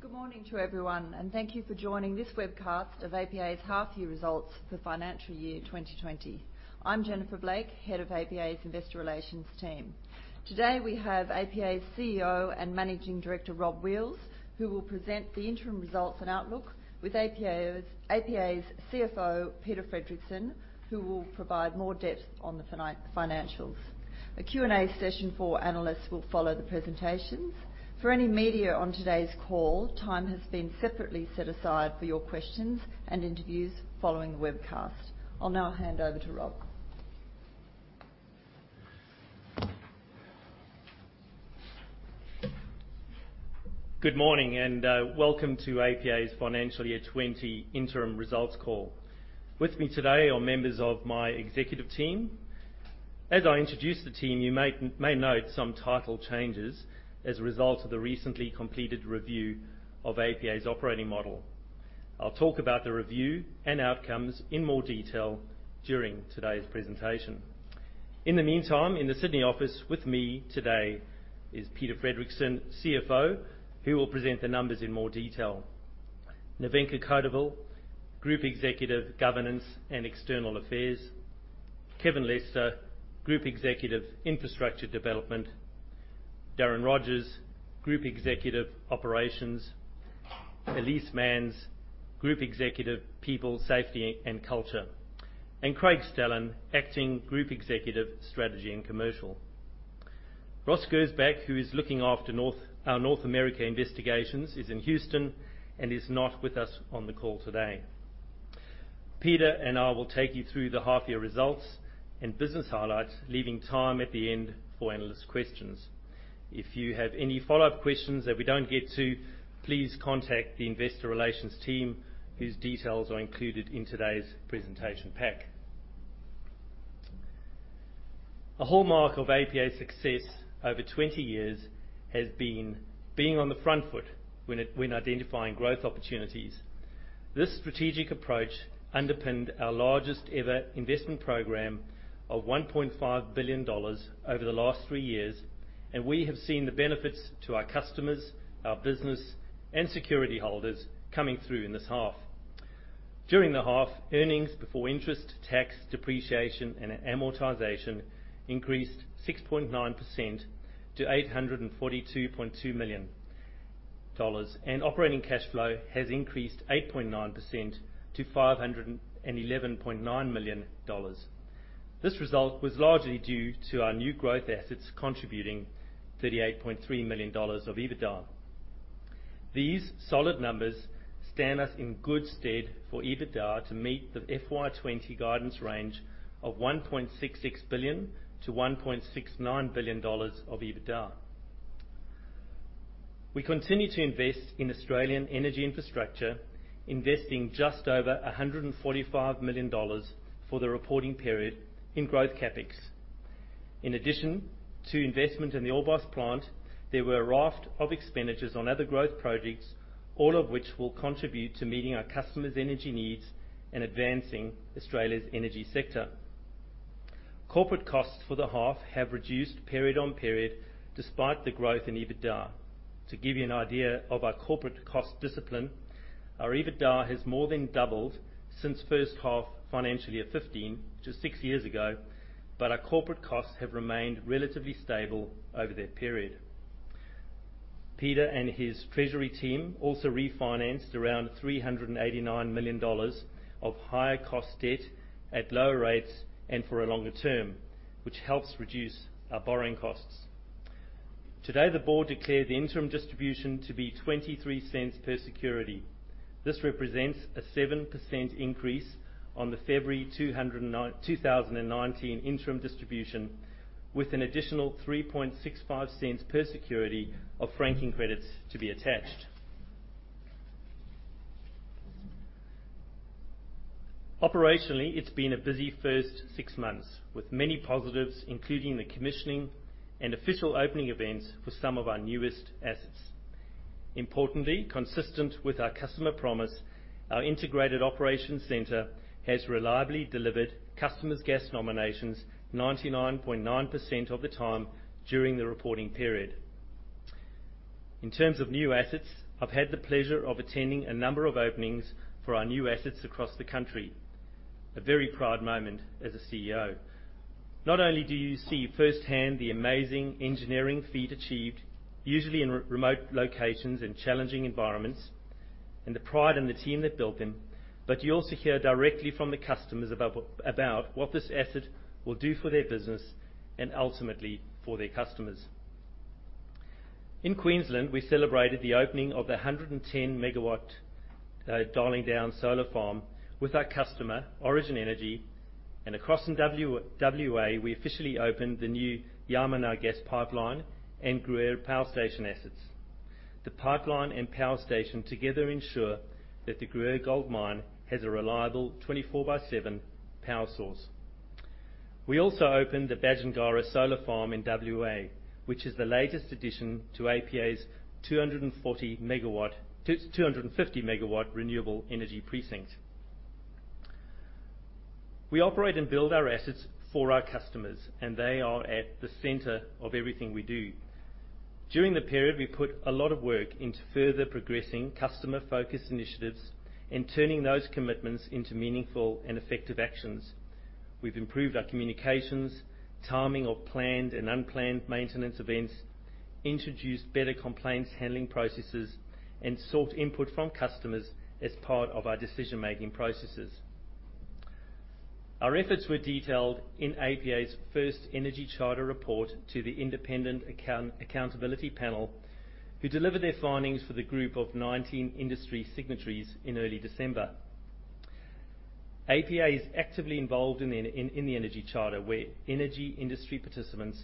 Good morning to everyone, and thank you for joining this webcast of APA's half year results for financial year 2020. I'm Jennifer Blake, Head of APA's Investor Relations team. Today, we have APA's CEO and Managing Director, Rob Wheals, who will present the interim results and outlook with APA's CFO, Peter Fredricson, who will provide more depth on the financials. A Q&A session for analysts will follow the presentations. For any media on today's call, time has been separately set aside for your questions and interviews following the webcast. I'll now hand over to Rob. Good morning, welcome to APA's FY 2020 interim results call. With me today are members of my executive team. As I introduce the team, you may note some title changes as a result of the recently completed review of APA's operating model. I'll talk about the review and outcomes in more detail during today's presentation. In the meantime, in the Sydney office with me today is Peter Fredricson, CFO, who will present the numbers in more detail. Nevenka Codevelle, Group Executive, Governance and External Affairs. Kevin Lester, Group Executive, Infrastructure Development. Darren Rogers, Group Executive, Operations. Elise Manns, Group Executive, People, Safety, and Culture. Craig Stallan, Acting Group Executive, Strategy and Commercial. Ross Gersbach, who is looking after our North America investigations, is in Houston and is not with us on the call today. Peter and I will take you through the half year results and business highlights, leaving time at the end for analyst questions. If you have any follow-up questions that we don't get to, please contact the investor relations team, whose details are included in today's presentation pack. A hallmark of APA's success over 20 years has been being on the front foot when identifying growth opportunities. This strategic approach underpinned our largest ever investment program of 1.5 billion dollars over the last three years, and we have seen the benefits to our customers, our business, and security holders coming through in this half. During the half, earnings before interest, tax, depreciation, and amortization increased 6.9% to 842.2 million dollars, and operating cash flow has increased 8.9% to 511.9 million dollars. This result was largely due to our new growth assets contributing 38.3 million dollars of EBITDA. These solid numbers stand us in good stead for EBITDA to meet the FY 2020 guidance range of 1.66 billion-1.69 billion dollars of EBITDA. We continue to invest in Australian energy infrastructure, investing just over 145 million dollars for the reporting period in growth CapEx. In addition to investment in the Orbost plant, there were a raft of expenditures on other growth projects, all of which will contribute to meeting our customers' energy needs and advancing Australia's energy sector. Corporate costs for the half have reduced period on period despite the growth in EBITDA. To give you an idea of our corporate cost discipline, our EBITDA has more than doubled since first half FY 2015, which is six years ago, but our corporate costs have remained relatively stable over that period. Peter and his treasury team also refinanced around 389 million dollars of higher cost debt at lower rates and for a longer term, which helps reduce our borrowing costs. Today, the board declared the interim distribution to be 0.23 per security. This represents a 7% increase on the February 2019 interim distribution, with an additional 0.0365 per security of franking credits to be attached. Operationally, it's been a busy first six months with many positives, including the commissioning and official opening events for some of our newest assets. Importantly, consistent with our customer promise, our integrated operations center has reliably delivered customers' gas nominations 99.9% of the time during the reporting period. In terms of new assets, I've had the pleasure of attending a number of openings for our new assets across the country, a very proud moment as a CEO. Not only do you see firsthand the amazing engineering feat achieved, usually in remote locations and challenging environments, and the pride in the team that built them, but you also hear directly from the customers about what this asset will do for their business and ultimately for their customers. In Queensland, we celebrated the opening of the 110 MW Darling Downs Solar Farm with our customer, Origin Energy. Across in W.A., we officially opened the new Yamarna Gas Pipeline and Gruyere Power Station assets. The pipeline and power station together ensure that the Gruyere goldmine has a reliable 24/7 power source. We also opened the Badgingarra Solar Farm in W.A., which is the latest addition to APA's 250 MW renewable energy precinct. We operate and build our assets for our customers, and they are at the center of everything we do. During the period, we put a lot of work into further progressing customer-focused initiatives and turning those commitments into meaningful and effective actions. We've improved our communications, timing of planned and unplanned maintenance events, introduced better complaints handling processes, and sought input from customers as part of our decision-making processes. Our efforts were detailed in APA's first Energy Charter report to the independent accountability panel, who delivered their findings for the group of 19 industry signatories in early December. APA is actively involved in The Energy Charter, where energy industry participants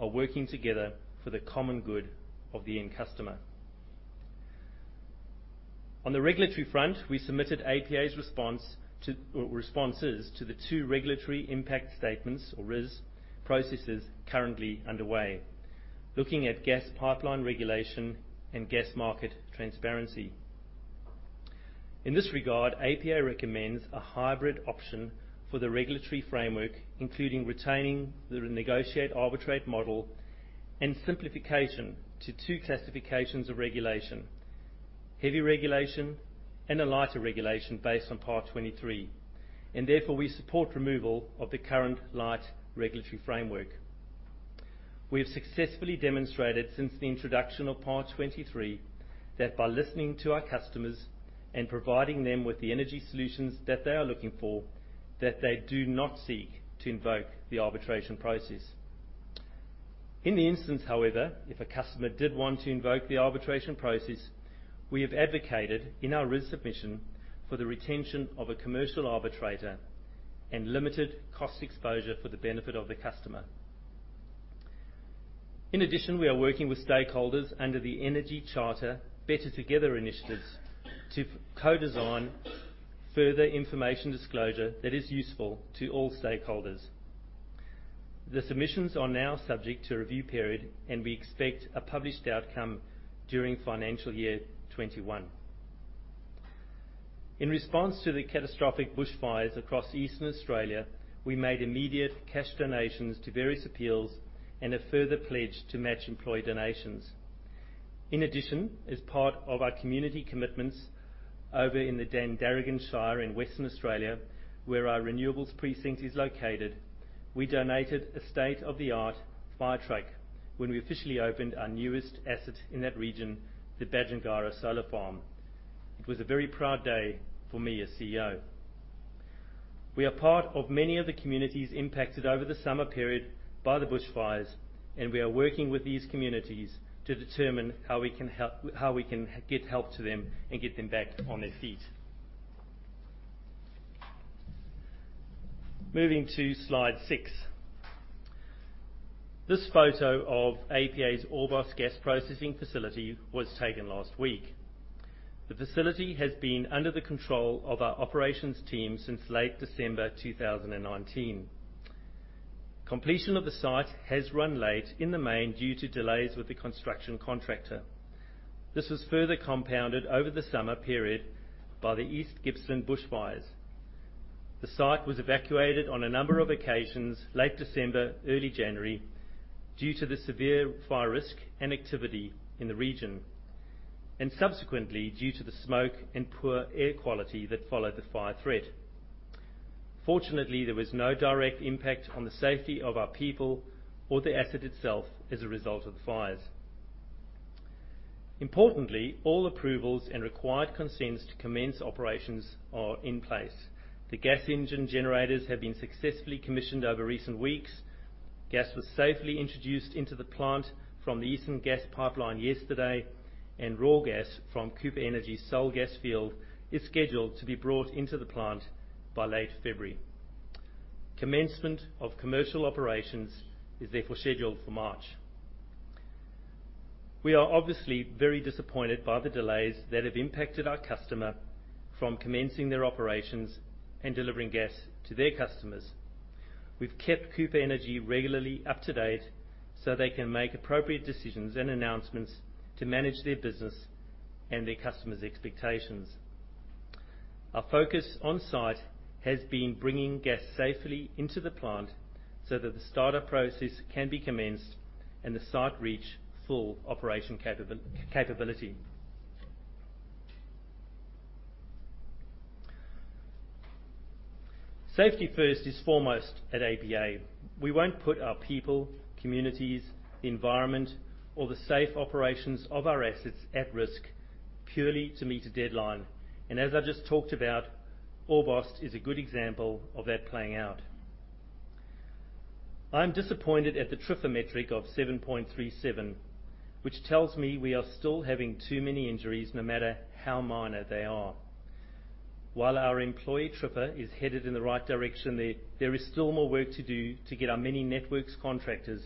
are working together for the common good of the end customer. On the regulatory front, we submitted APA's responses to the two regulatory impact statements or RIS processes currently underway, looking at gas pipeline regulation and gas market transparency. In this regard, APA recommends a hybrid option for the regulatory framework, including retaining the negotiate-arbitrate model and simplification to two classifications of regulation, heavy regulation and a lighter regulation based on Part 23. Therefore, we support removal of the current light regulatory framework. We have successfully demonstrated since the introduction of Part 23, that by listening to our customers and providing them with the energy solutions that they are looking for, that they do not seek to invoke the arbitration process. In the instance, however, if a customer did want to invoke the arbitration process, we have advocated in our RIS submission for the retention of a commercial arbitrator and limited cost exposure for the benefit of the customer. In addition, we are working with stakeholders under The Energy Charter Better Together initiatives to co-design further information disclosure that is useful to all stakeholders. The submissions are now subject to a review period. We expect a published outcome during FY 2021. In response to the catastrophic bushfires across Eastern Australia, we made immediate cash donations to various appeals and a further pledge to match employee donations. In addition, as part of our community commitments over in the Dandaragan Shire in Western Australia, where our renewables precinct is located, we donated a state-of-the-art fire truck when we officially opened our newest asset in that region, the Badgingarra Solar Farm. It was a very proud day for me as CEO. We are part of many of the communities impacted over the summer period by the bushfires. We are working with these communities to determine how we can get help to them and get them back on their feet. Moving to slide six. This photo of APA's Orbost Gas Processing Facility was taken last week. The facility has been under the control of our operations team since late December 2019. Completion of the site has run late in the main due to delays with the construction contractor. This was further compounded over the summer period by the East Gippsland Bushfires. The site was evacuated on a number of occasions, late December, early January, due to the severe fire risk and activity in the region, and subsequently due to the smoke and poor air quality that followed the fire threat. Fortunately, there was no direct impact on the safety of our people or the asset itself as a result of the fires. Importantly, all approvals and required consents to commence operations are in place. The gas engine generators have been successfully commissioned over recent weeks. Gas was safely introduced into the plant from the Eastern Gas Pipeline yesterday. Raw gas from Cooper Energy's Sole gas field is scheduled to be brought into the plant by late February. Commencement of commercial operations is therefore scheduled for March. We are obviously very disappointed by the delays that have impacted our customer from commencing their operations and delivering gas to their customers. We've kept Cooper Energy regularly up to date so they can make appropriate decisions and announcements to manage their business and their customers' expectations. Our focus on-site has been bringing gas safely into the plant so that the startup process can be commenced and the site reach full operation capability. Safety first is foremost at APA. We won't put our people, communities, the environment, or the safe operations of our assets at risk purely to meet a deadline. As I just talked about, Orbost is a good example of that playing out. I'm disappointed at the TRIFR metric of 7.37, which tells me we are still having too many injuries no matter how minor they are. While our employee TRIFR is headed in the right direction, there is still more work to do to get our many networks contractors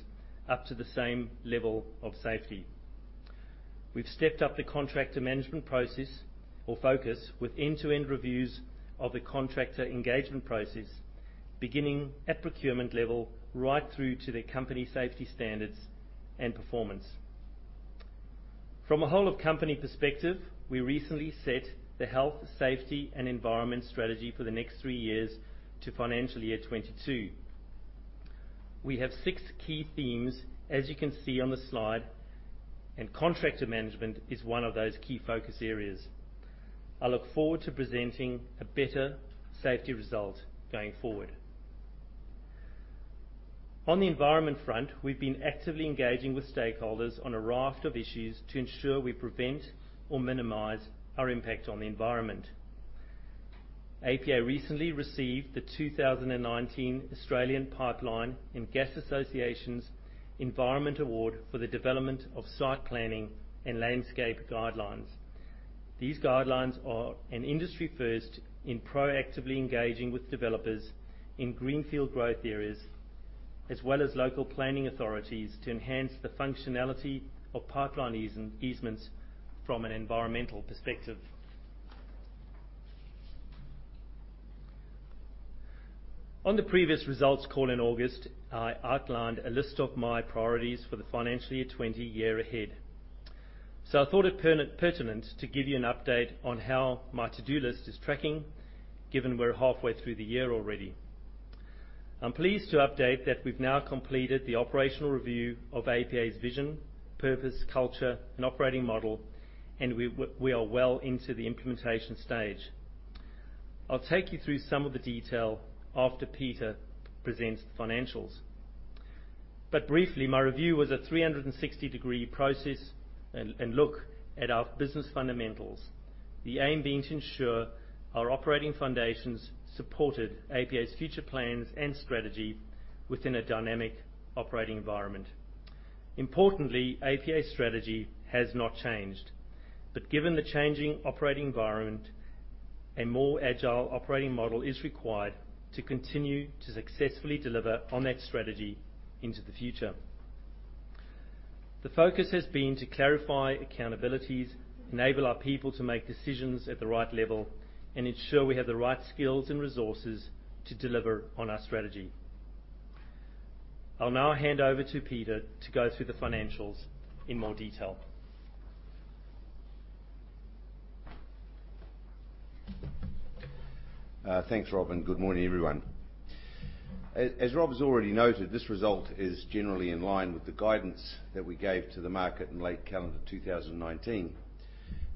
up to the same level of safety. We've stepped up the contractor management process or focus with end-to-end reviews of the contractor engagement process, beginning at procurement level right through to their company safety standards and performance. From a whole of company perspective, we recently set the health, safety, and environment strategy for the next three years to FY 2022. We have six key themes, as you can see on the slide, and contractor management is one of those key focus areas. I look forward to presenting a better safety result going forward. On the environment front, we've been actively engaging with stakeholders on a raft of issues to ensure we prevent or minimize our impact on the environment. APA recently received the 2019 Australian Pipelines and Gas Association's Environment Award for the development of site planning and landscape guidelines. These guidelines are an industry first in proactively engaging with developers in greenfield growth areas, as well as local planning authorities, to enhance the functionality of pipeline easements from an environmental perspective. On the previous results call in August, I outlined a list of my priorities for the financial year 2020 year ahead. I thought it pertinent to give you an update on how my to-do list is tracking, given we're halfway through the year already. I'm pleased to update that we've now completed the operational review of APA's vision, purpose, culture and operating model, and we are well into the implementation stage. I'll take you through some of the detail after Peter presents the financials. Briefly, my review was a 360 degree process and look at our business fundamentals, the aim being to ensure our operating foundations supported APA's future plans and strategy within a dynamic operating environment. Importantly, APA's strategy has not changed, but given the changing operating environment, a more agile operating model is required to continue to successfully deliver on that strategy into the future. The focus has been to clarify accountabilities, enable our people to make decisions at the right level, and ensure we have the right skills and resources to deliver on our strategy. I'll now hand over to Peter to go through the financials in more detail. Thanks, Rob. Good morning, everyone. As Rob's already noted, this result is generally in line with the guidance that we gave to the market in late calendar 2019.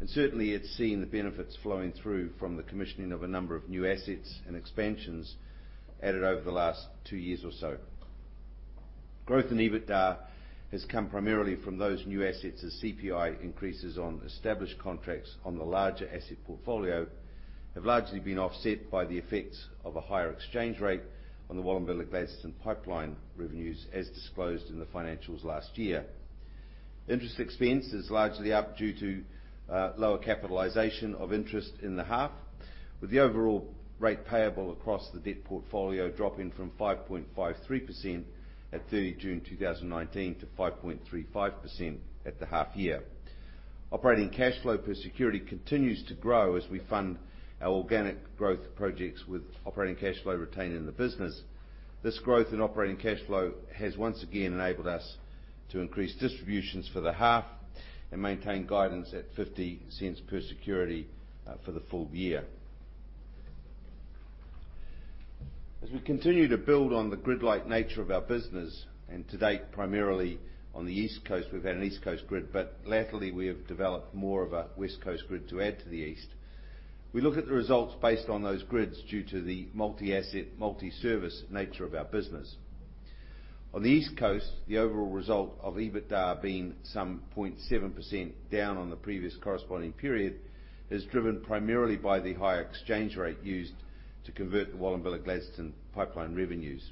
Certainly it's seen the benefits flowing through from the commissioning of a number of new assets and expansions added over the last two years or so. Growth in EBITDA has come primarily from those new assets as CPI increases on established contracts on the larger asset portfolio have largely been offset by the effects of a higher exchange rate on the Wallumbilla Gladstone Pipeline revenues as disclosed in the financials last year. Interest expense is largely up due to lower capitalization of interest in the half, with the overall rate payable across the debt portfolio dropping from 5.53% at 30 June 2019 to 5.35% at the half year. Operating cash flow per security continues to grow as we fund our organic growth projects with operating cash flow retained in the business. This growth in operating cash flow has once again enabled us to increase distributions for the half and maintain guidance at 0.50 per security for the full year. As we continue to build on the grid-like nature of our business, and to date, primarily on the East Coast, we've had an East Coast grid, but latterly we have developed more of a West Coast grid to add to the East. We look at the results based on those grids due to the multi-asset, multi-service nature of our business. On the East Coast, the overall result of EBITDA being some 0.7% down on the previous corresponding period is driven primarily by the higher exchange rate used to convert the Wallumbilla Gladstone Pipeline revenues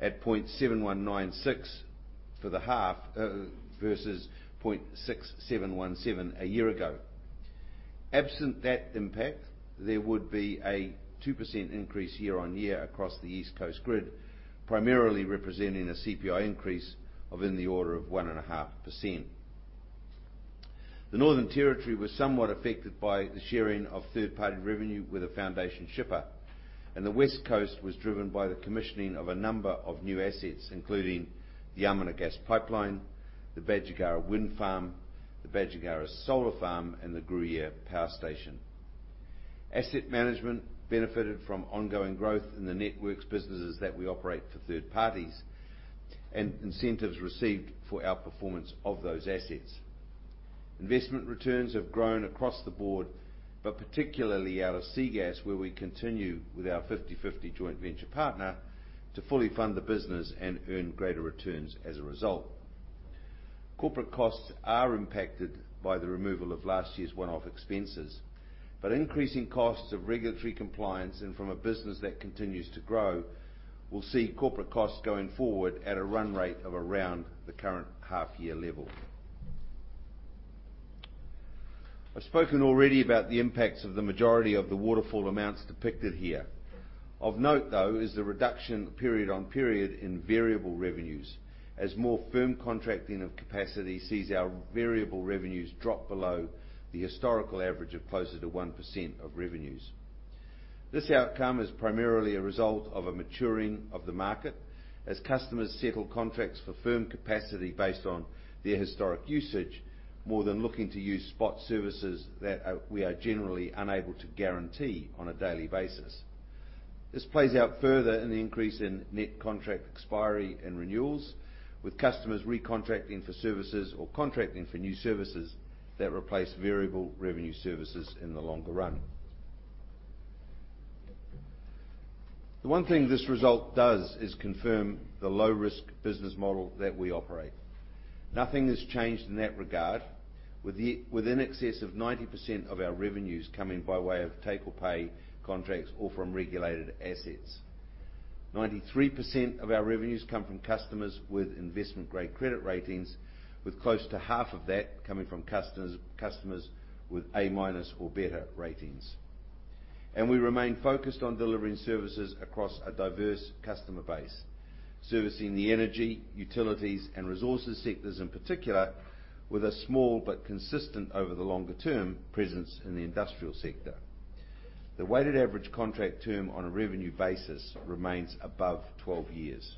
at 0.7196 for the half, versus 0.6717 a year ago. Absent that impact, there would be a 2% increase year-on-year across the East Coast grid, primarily representing a CPI increase of in the order of 1.5%. The Northern Territory was somewhat affected by the sharing of third-party revenue with a foundation shipper, and the West Coast was driven by the commissioning of a number of new assets, including the Yamarna Gas Pipeline, the Badgingarra Wind Farm, the Badgingarra Solar Farm, and the Gruyere Power Station. Asset management benefited from ongoing growth in the networks businesses that we operate for third parties and incentives received for our performance of those assets. Investment returns have grown across the board, but particularly out of SEA Gas, where we continue with our 50/50 joint venture partner to fully fund the business and earn greater returns as a result. Increasing costs of regulatory compliance and from a business that continues to grow will see corporate costs going forward at a run rate of around the current half year level. I've spoken already about the impacts of the majority of the waterfall amounts depicted here. Of note, though, is the reduction period on period in variable revenues as more firm contracting of capacity sees our variable revenues drop below the historical average of closer to 1% of revenues. This outcome is primarily a result of a maturing of the market as customers settle contracts for firm capacity based on their historic usage, more than looking to use spot services that we are generally unable to guarantee on a daily basis. This plays out further in the increase in net contract expiry and renewals, with customers recontracting for services or contracting for new services that replace variable revenue services in the longer run. The one thing this result does is confirm the low-risk business model that we operate. Nothing has changed in that regard. With in excess of 90% of our revenues coming by way of take-or-pay contracts or from regulated assets. 93% of our revenues come from customers with investment-grade credit ratings, with close to half of that coming from customers with A- or better ratings. We remain focused on delivering services across a diverse customer base, servicing the energy, utilities, and resources sectors in particular, with a small but consistent, over the longer term, presence in the industrial sector. The weighted average contract term on a revenue basis remains above 12 years.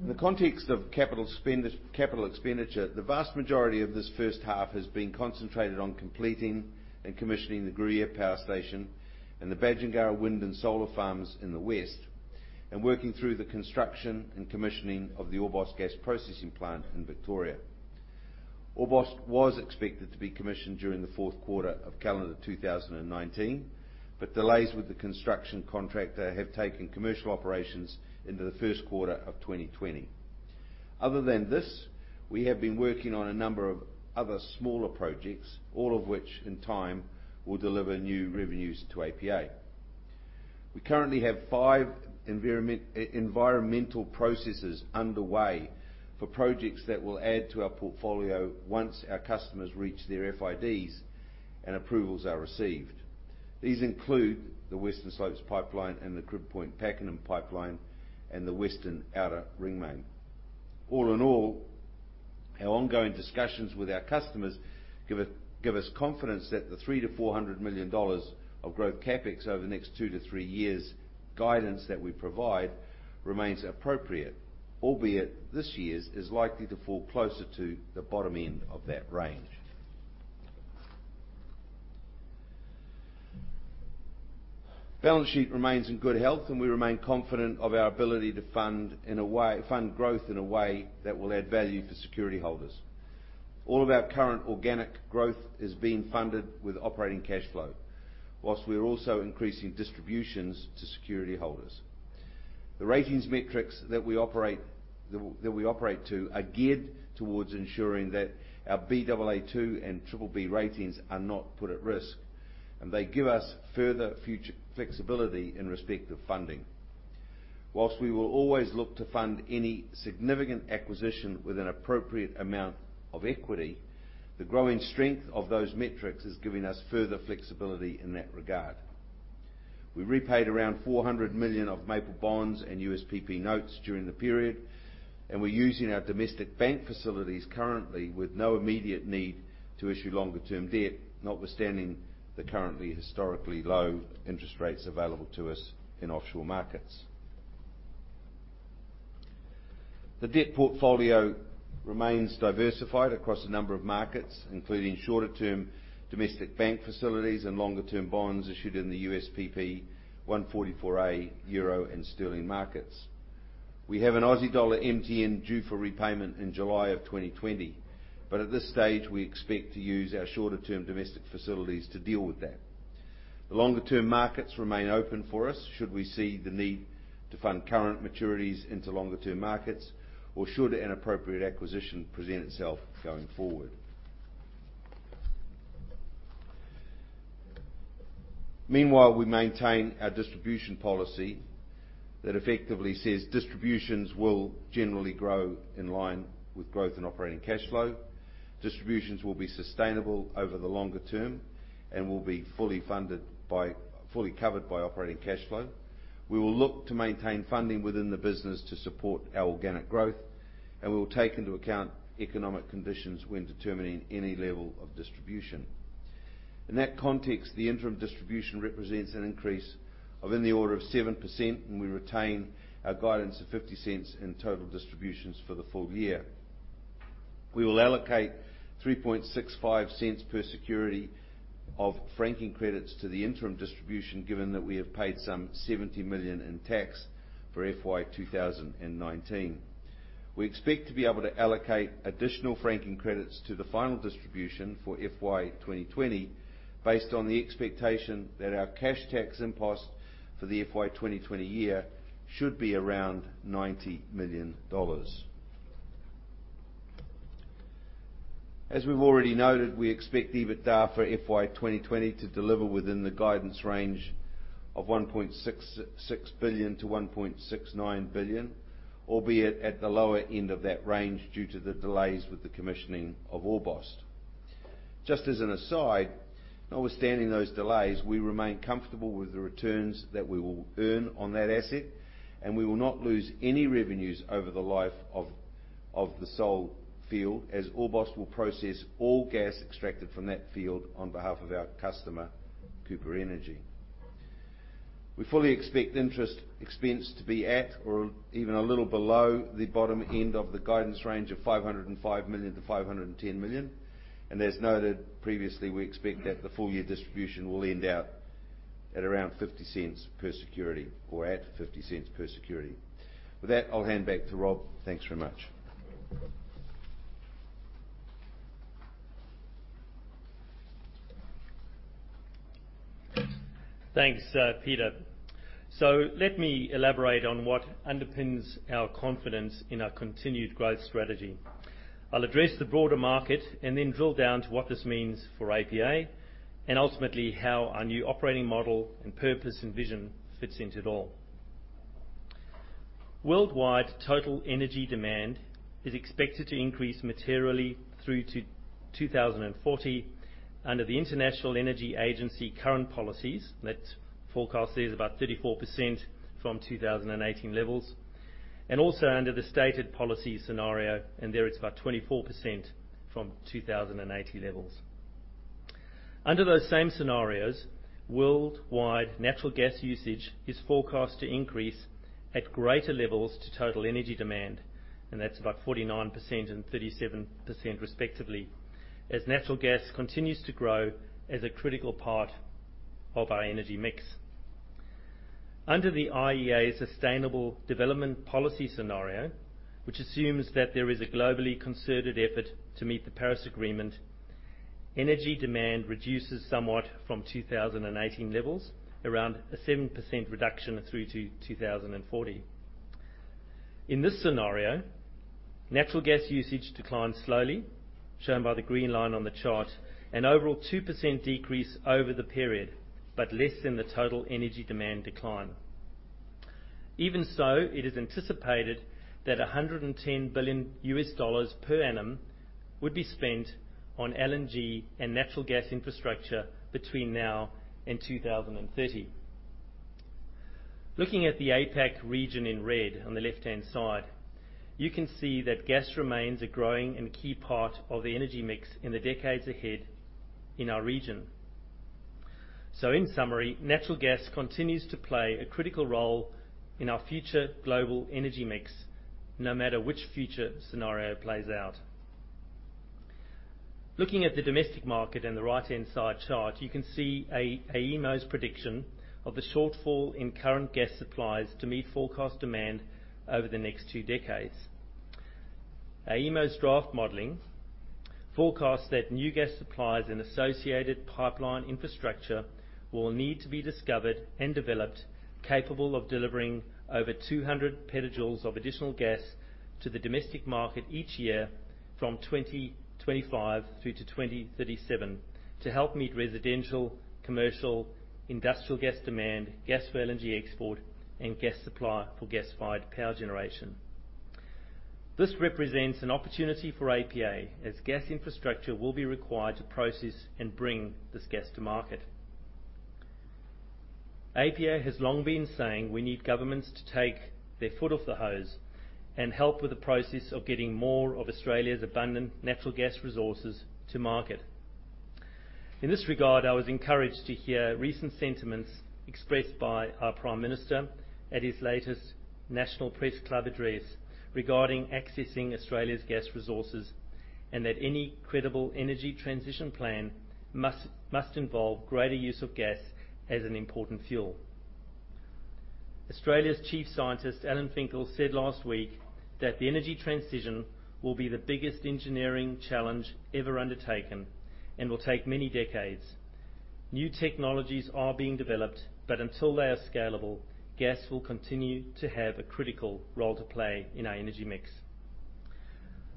In the context of capital expenditure, the vast majority of this first half has been concentrated on completing and commissioning the Gruyere Power Station and the Badgingarra Wind and Solar farms in the west, and working through the construction and commissioning of the Orbost Gas Processing Plant in Victoria. Orbost was expected to be commissioned during the fourth quarter of calendar 2019, Delays with the construction contractor have taken commercial operations into the first quarter of 2020. Other than this, we have been working on a number of other smaller projects, all of which, in time, will deliver new revenues to APA. We currently have five environmental processes underway for projects that will add to our portfolio once our customers reach their FIDs and approvals are received. These include the Western Slopes Pipeline and the Crib Point-Pakenham Pipeline, and the Western Outer Ring Main. All in all, our ongoing discussions with our customers give us confidence that the 300 million-400 million dollars of growth CapEx over the next two to three years guidance that we provide remains appropriate, albeit this year's is likely to fall closer to the bottom end of that range. Balance sheet remains in good health, and we remain confident of our ability to fund growth in a way that will add value for security holders. All of our current organic growth is being funded with operating cash flow, whilst we are also increasing distributions to security holders. The ratings metrics that we operate to are geared towards ensuring that our Baa2 and BBB ratings are not put at risk, and they give us further future flexibility in respect of funding. Whilst we will always look to fund any significant acquisition with an appropriate amount of equity, the growing strength of those metrics is giving us further flexibility in that regard. We repaid around 400 million of Maple bonds and USPP notes during the period, and we're using our domestic bank facilities currently with no immediate need to issue longer-term debt, notwithstanding the currently historically low interest rates available to us in offshore markets. The debt portfolio remains diversified across a number of markets, including shorter-term domestic bank facilities and longer-term bonds issued in the USPP 144A, Euro, and Sterling markets. We have an AUD MTN due for repayment in July 2020. At this stage, we expect to use our shorter-term domestic facilities to deal with that. The longer-term markets remain open for us should we see the need to fund current maturities into longer-term markets or should an appropriate acquisition present itself going forward. Meanwhile, we maintain our distribution policy that effectively says distributions will generally grow in line with growth in operating cash flow. Distributions will be sustainable over the longer term and will be fully covered by operating cash flow. We will look to maintain funding within the business to support our organic growth, and we will take into account economic conditions when determining any level of distribution. In that context, the interim distribution represents an increase of in the order of 7%, and we retain our guidance of 0.50 in total distributions for the full year. We will allocate 0.0365 per security of franking credits to the interim distribution, given that we have paid some 70 million in tax for FY 2019. We expect to be able to allocate additional franking credits to the final distribution for FY 2020 based on the expectation that our cash tax impost for the FY 2020 year should be around 90 million dollars. As we've already noted, we expect EBITDA for FY 2020 to deliver within the guidance range of 1.66 billion-1.69 billion, albeit at the lower end of that range due to the delays with the commissioning of Orbost. Just as an aside, notwithstanding those delays, we remain comfortable with the returns that we will earn on that asset, and we will not lose any revenues over the life of the Sole field, as Orbost will process all gas extracted from that field on behalf of our customer, Cooper Energy. We fully expect interest expense to be at or even a little below the bottom end of the guidance range of 505 million-510 million. As noted previously, we expect that the full year distribution will end out at around 0.50 per security or at 0.50 per security. With that, I'll hand back to Rob. Thanks very much. Thanks, Peter. Let me elaborate on what underpins our confidence in our continued growth strategy. I'll address the broader market and then drill down to what this means for APA and ultimately how our new operating model and purpose, and vision fits into it all. Worldwide total energy demand is expected to increase materially through to 2040 under the International Energy Agency current policies. That forecast is about 34% from 2018 levels. Also under the stated policy scenario, and there it's about 24% from 2018 levels. Under those same scenarios, worldwide natural gas usage is forecast to increase at greater levels to total energy demand, and that's about 49% and 37% respectively, as natural gas continues to grow as a critical part of our energy mix. Under the IEA Sustainable Development Policy scenario, which assumes that there is a globally concerted effort to meet the Paris Agreement, energy demand reduces somewhat from 2018 levels, around a 7% reduction through to 2040. In this scenario, natural gas usage declines slowly, shown by the green line on the chart, an overall 2% decrease over the period, but less than the total energy demand decline. Even so, it is anticipated that $110 billion per annum would be spent on LNG and natural gas infrastructure between now and 2030. Looking at the APAC region in red on the left-hand side, you can see that gas remains a growing and key part of the energy mix in the decades ahead in our region. In summary, natural gas continues to play a critical role in our future global energy mix, no matter which future scenario plays out. Looking at the domestic market in the right-hand side chart, you can see AEMO's prediction of the shortfall in current gas supplies to meet forecast demand over the next two decades. AEMO's draft modeling forecasts that new gas supplies and associated pipeline infrastructure will need to be discovered and developed, capable of delivering over 200 petajoules of additional gas to the domestic market each year from 2025 through to 2037 to help meet residential, commercial, industrial gas demand, gas for LNG export, and gas supply for gas-fired power generation. This represents an opportunity for APA as gas infrastructure will be required to process and bring this gas to market. APA has long been saying we need governments to take their foot off the hose and help with the process of getting more of Australia's abundant natural gas resources to market. In this regard, I was encouraged to hear recent sentiments expressed by our Prime Minister at his latest National Press Club address regarding accessing Australia's gas resources, and that any credible energy transition plan must involve greater use of gas as an important fuel. Australia's Chief Scientist, Alan Finkel, said last week that the energy transition will be the biggest engineering challenge ever undertaken and will take many decades. New technologies are being developed, but until they are scalable, gas will continue to have a critical role to play in our energy mix.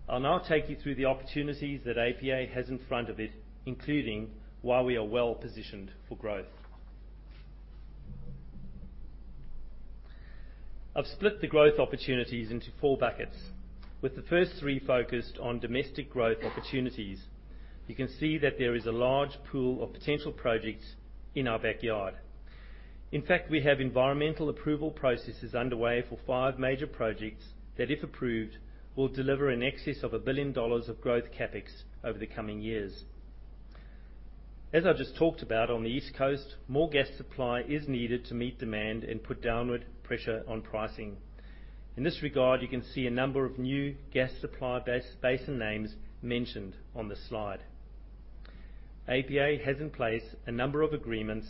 I'll now take you through the opportunities that APA has in front of it, including why we are well-positioned for growth. I've split the growth opportunities into four buckets, with the first three focused on domestic growth opportunities. You can see that there is a large pool of potential projects in our backyard. In fact, we have environmental approval processes underway for five major projects that, if approved, will deliver in excess of 1 billion dollars of growth CapEx over the coming years. As I've just talked about on the East Coast, more gas supply is needed to meet demand and put downward pressure on pricing. In this regard, you can see a number of new gas supply basin names mentioned on the slide. APA has in place a number of agreements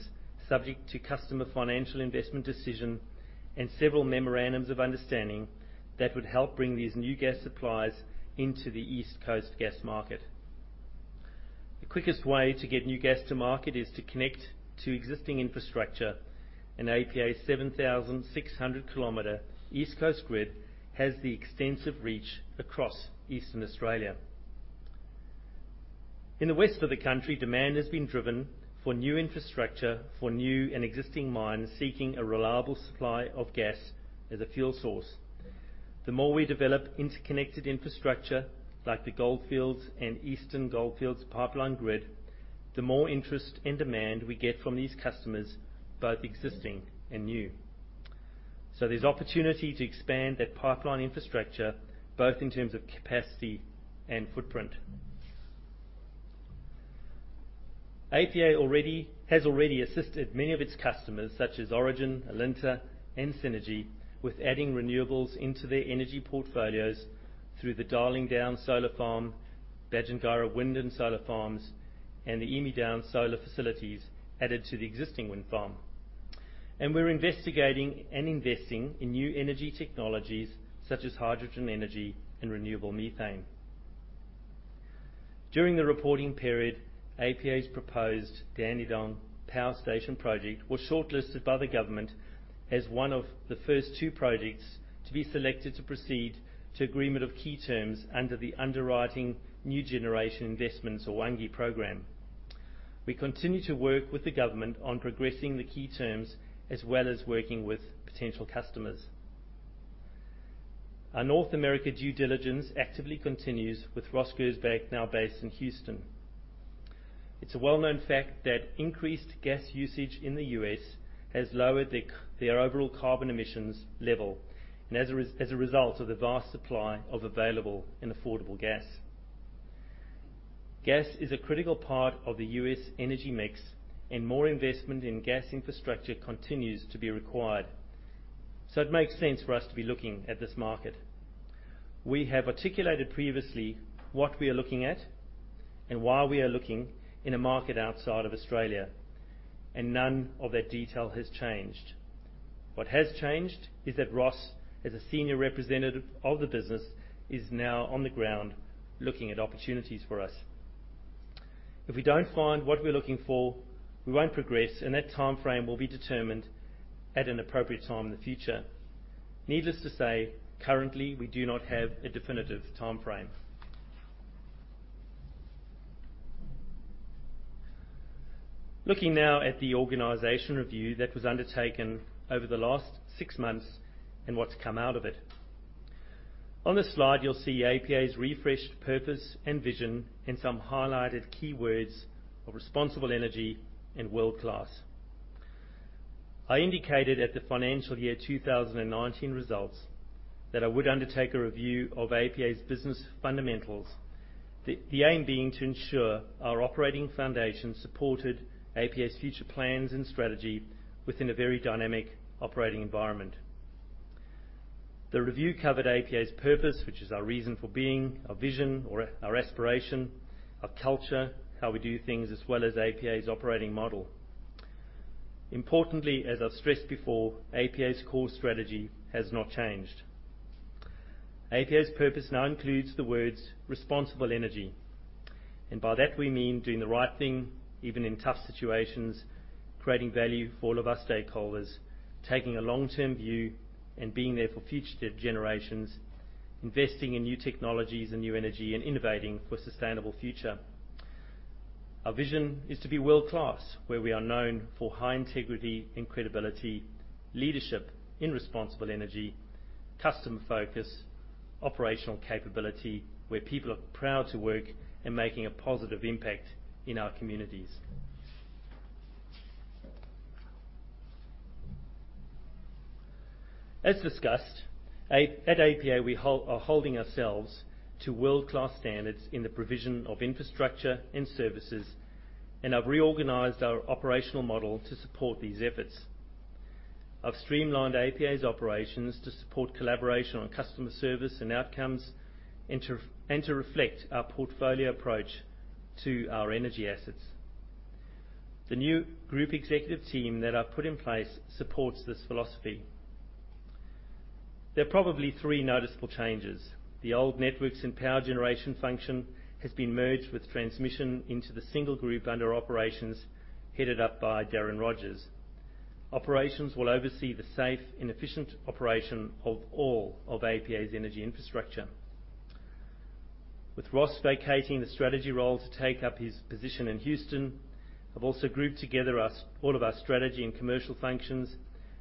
subject to customer financial investment decision and several memorandums of understanding that would help bring these new gas supplies into the East Coast gas market. The quickest way to get new gas to market is to connect to existing infrastructure, and APA's 7,600-kilometer East Coast grid has the extensive reach across Eastern Australia. In the west of the country, demand has been driven for new infrastructure for new and existing mines seeking a reliable supply of gas as a fuel source. The more we develop interconnected infrastructure like the Goldfields and Eastern Goldfields pipeline grid. More interest and demand we get from these customers, both existing and new. There's opportunity to expand that pipeline infrastructure, both in terms of capacity and footprint. APA has already assisted many of its customers, such as Origin, Alinta, and Synergy, with adding renewables into their energy portfolios through the Darling Downs Solar Farm, Badgingarra wind and solar farms, and the Emu Downs solar facilities added to the existing wind farm. We're investigating and investing in new energy technologies such as hydrogen energy and renewable methane. During the reporting period, APA's proposed Dandenong Power Station project was shortlisted by the government as one of the first two projects to be selected to proceed to agreement of key terms under the Underwriting New Generation Investments, or UNGI program. We continue to work with the government on progressing the key terms, as well as working with potential customers. Our North America due diligence actively continues with Ross Gersbach now based in Houston. It's a well-known fact that increased gas usage in the U.S. has lowered their overall carbon emissions level as a result of the vast supply of available and affordable gas. Gas is a critical part of the U.S. energy mix, and more investment in gas infrastructure continues to be required. It makes sense for us to be looking at this market. We have articulated previously what we are looking at and why we are looking in a market outside of Australia, and none of that detail has changed. What has changed is that Ross, as a senior representative of the business, is now on the ground looking at opportunities for us. If we don't find what we're looking for, we won't progress, and that timeframe will be determined at an appropriate time in the future. Needless to say, currently, we do not have a definitive timeframe. Looking now at the organization review that was undertaken over the last six months and what's come out of it. On this slide, you'll see APA's refreshed purpose and vision and some highlighted keywords of responsible energy and world-class. I indicated at the financial year 2019 results that I would undertake a review of APA's business fundamentals, the aim being to ensure our operating foundation supported APA's future plans and strategy within a very dynamic operating environment. The review covered APA's purpose, which is our reason for being, our vision or our aspiration, our culture, how we do things, as well as APA's operating model. Importantly, as I've stressed before, APA's core strategy has not changed. APA's purpose now includes the words responsible energy. By that we mean doing the right thing, even in tough situations, creating value for all of our stakeholders, taking a long-term view and being there for future generations, investing in new technologies and new energy, and innovating for a sustainable future. Our vision is to be world-class, where we are known for high integrity and credibility, leadership in responsible energy, customer focus, operational capability, where people are proud to work, and making a positive impact in our communities. As discussed, at APA, we are holding ourselves to world-class standards in the provision of infrastructure and services and have reorganized our operational model to support these efforts. I've streamlined APA's operations to support collaboration on customer service and outcomes and to reflect our portfolio approach to our energy assets. The new Group Executive team that I've put in place supports this philosophy. There are probably three noticeable changes. The old networks and power generation function has been merged with transmission into the single group under operations headed up by Darren Rogers. Operations will oversee the safe and efficient operation of all of APA's energy infrastructure. With Ross vacating the strategy role to take up his position in Houston, I've also grouped together all of our strategy and commercial functions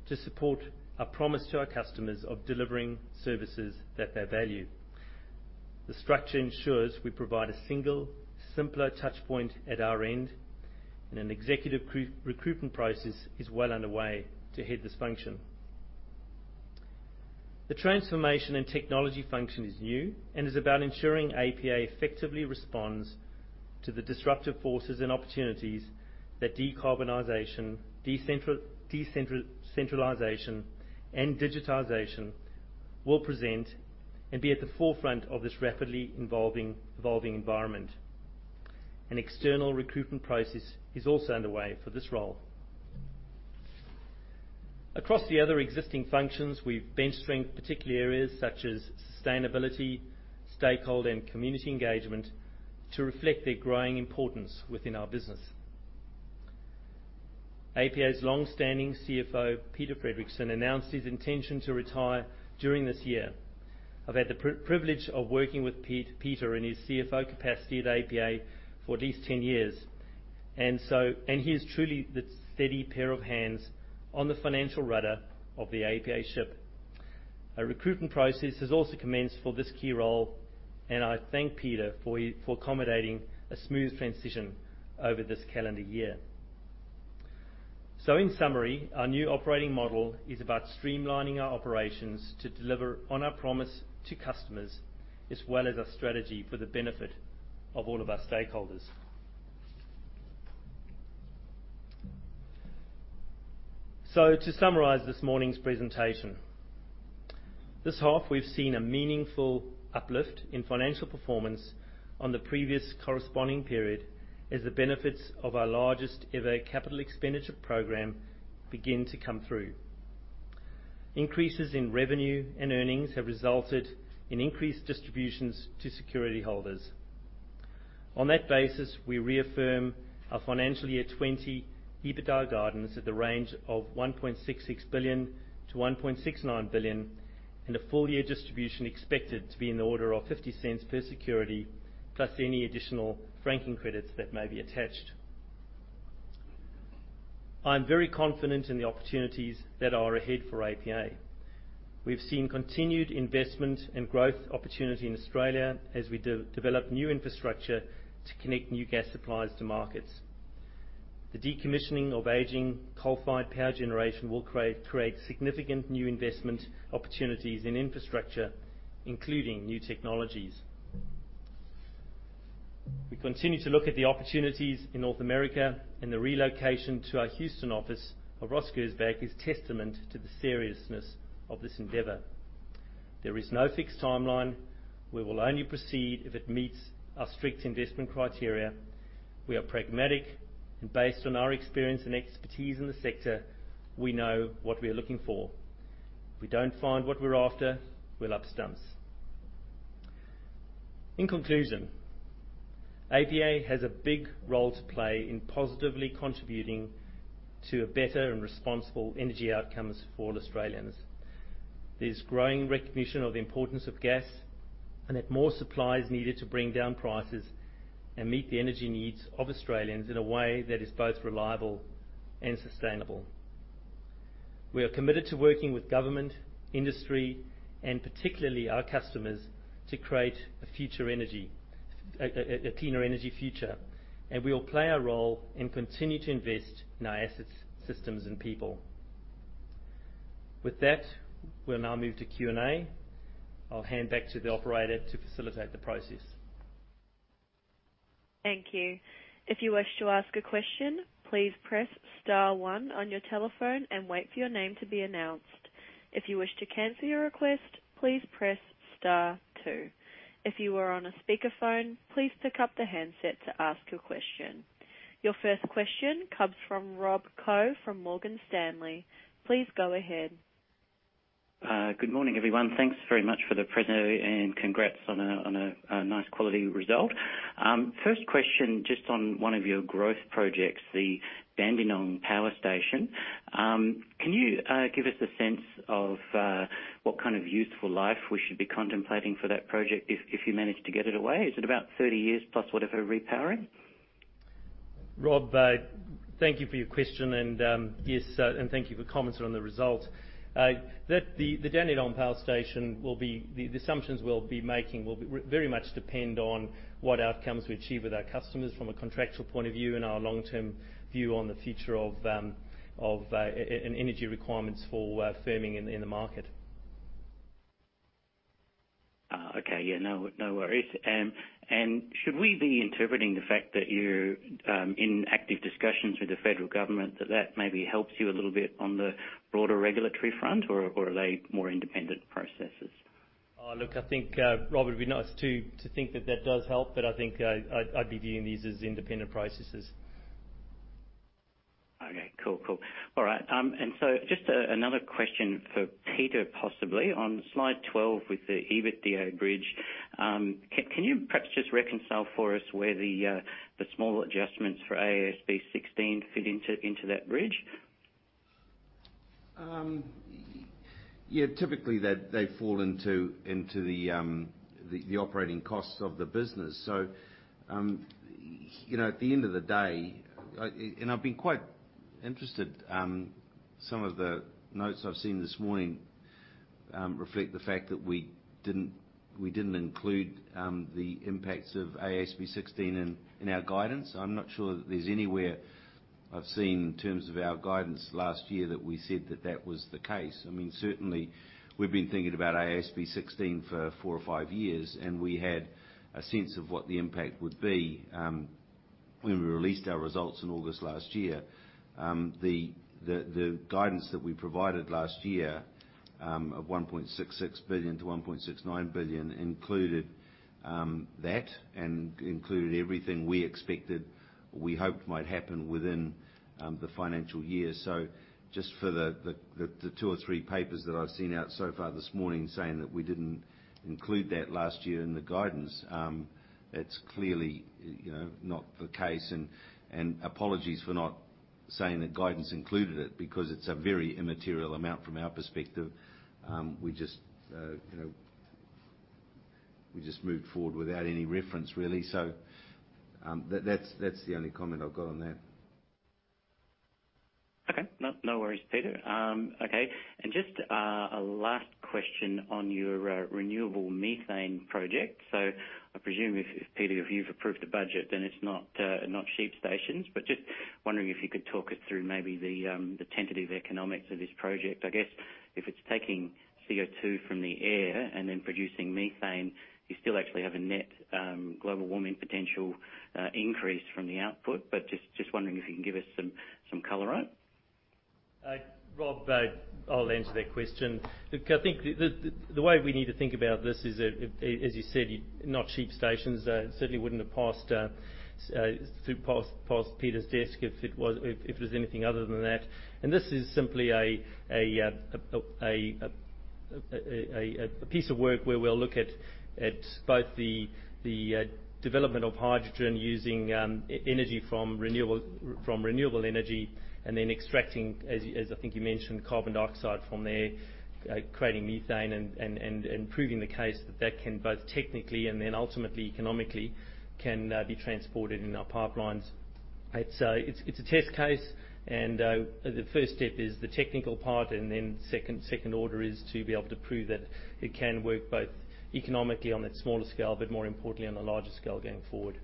to support our promise to our customers of delivering services that they value. The structure ensures we provide a single, simpler touch point at our end. An executive recruitment process is well underway to head this function. The transformation and technology function is new and is about ensuring APA effectively responds to the disruptive forces and opportunities that decarbonization, decentralization, and digitization will present and be at the forefront of this rapidly evolving environment. An external recruitment process is also underway for this role. Across the other existing functions, we've bench-strengthened particular areas such as sustainability, stakeholder and community engagement to reflect their growing importance within our business. APA's long-standing CFO, Peter Fredricson, announced his intention to retire during this year. I've had the privilege of working with Peter in his CFO capacity at APA for at least 10 years. He is truly the steady pair of hands on the financial rudder of the APA ship. A recruitment process has also commenced for this key role, and I thank Peter for accommodating a smooth transition over this calendar year. In summary, our new operating model is about streamlining our operations to deliver on our promise to customers, as well as our strategy for the benefit of all of our stakeholders. To summarize this morning's presentation, this half, we've seen a meaningful uplift in financial performance on the previous corresponding period, as the benefits of our largest ever capital expenditure program begin to come through. Increases in revenue and earnings have resulted in increased distributions to security holders. On that basis, we reaffirm our FY 2020 EBITDA guidance at the range of 1.66 billion-1.69 billion, and a full year distribution expected to be in the order of 0.50 per security, plus any additional franking credits that may be attached. I'm very confident in the opportunities that are ahead for APA. We've seen continued investment and growth opportunity in Australia as we develop new infrastructure to connect new gas supplies to markets. The decommissioning of aging coal-fired power generation will create significant new investment opportunities in infrastructure, including new technologies. We continue to look at the opportunities in North America, and the relocation to our Houston office of Ross Gersbach is testament to the seriousness of this endeavor. There is no fixed timeline. We will only proceed if it meets our strict investment criteria. We are pragmatic and based on our experience and expertise in the sector, we know what we are looking for. If we don't find what we're after, we'll up stumps. In conclusion, APA has a big role to play in positively contributing to a better and responsible energy outcomes for all Australians. There's growing recognition of the importance of gas and that more supply is needed to bring down prices and meet the energy needs of Australians in a way that is both reliable and sustainable. We are committed to working with government, industry, and particularly our customers to create a cleaner energy future. We will play a role and continue to invest in our assets, systems, and people. With that, we'll now move to Q&A. I'll hand back to the operator to facilitate the process. Thank you. If you wish to ask a question, please press star one on your telephone and wait for your name to be announced. If you wish to cancel your request, please press star two. If you are on a speakerphone, please pick up the handset to ask your question. Your first question comes from Rob Koh from Morgan Stanley. Please go ahead. Good morning, everyone. Thanks very much for the presentation, and congrats on a nice quality result. First question just on one of your growth projects, the Dandenong Power Station. Can you give us a sense of what kind of useful life we should be contemplating for that project if you manage to get it away? Is it about 30 years+ whatever repowering? Rob, thank you for your question. Thank you for comments on the result. The Dandenong Power Station, the assumptions we'll be making will very much depend on what outcomes we achieve with our customers from a contractual point of view and our long-term view on the future of energy requirements for firming in the market. Okay. Yeah, no worries. Should we be interpreting the fact that you're in active discussions with the federal government that that maybe helps you a little bit on the broader regulatory front or are they more independent processes? Look, I think, Rob, it'd be nice to think that that does help, but I think I'd be viewing these as independent processes. Okay, cool. All right. Just another question for Peter, possibly. On slide 12 with the EBITDA bridge, can you perhaps just reconcile for us where the small adjustments for AASB 16 fit into that bridge? Yeah. Typically, they fall into the operating costs of the business. At the end of the day, and I've been quite interested, some of the notes I've seen this morning reflect the fact that we didn't include the impacts of AASB 16 in our guidance. I'm not sure that there's anywhere I've seen in terms of our guidance last year that we said that that was the case. Certainly, we've been thinking about AASB 16 for four or five years, and we had a sense of what the impact would be when we released our results in August last year. The guidance that we provided last year, of 1.66 billion-1.69 billion, included that and included everything we expected, we hoped might happen within the financial year. Just for the two or three papers that I've seen out so far this morning saying that we didn't include that last year in the guidance, it's clearly not the case. Apologies for not saying that guidance included it, because it's a very immaterial amount from our perspective. We just moved forward without any reference, really. That's the only comment I've got on that. Okay. No worries, Peter. Okay, just a last question on your renewable methane project. I presume, Peter, if you've approved the budget, then it's not sheep stations, just wondering if you could talk us through maybe the tentative economics of this project. I guess if it's taking CO2 from the air and then producing methane, you still actually have a net global warming potential increase from the output. Just wondering if you can give us some color on it. Rob, I'll answer that question. Look, I think the way we need to think about this is, as you said, not sheep stations. It certainly wouldn't have passed Peter's desk if it was anything other than that. This is simply a piece of work where we'll look at both the development of hydrogen using energy from renewable energy and then extracting, as I think you mentioned, carbon dioxide from there, creating methane and proving the case that that can both technically and then ultimately economically can be transported in our pipelines. It's a test case and the first step is the technical part, and then second order is to be able to prove that it can work both economically on a smaller scale, but more importantly, on a larger scale going forward.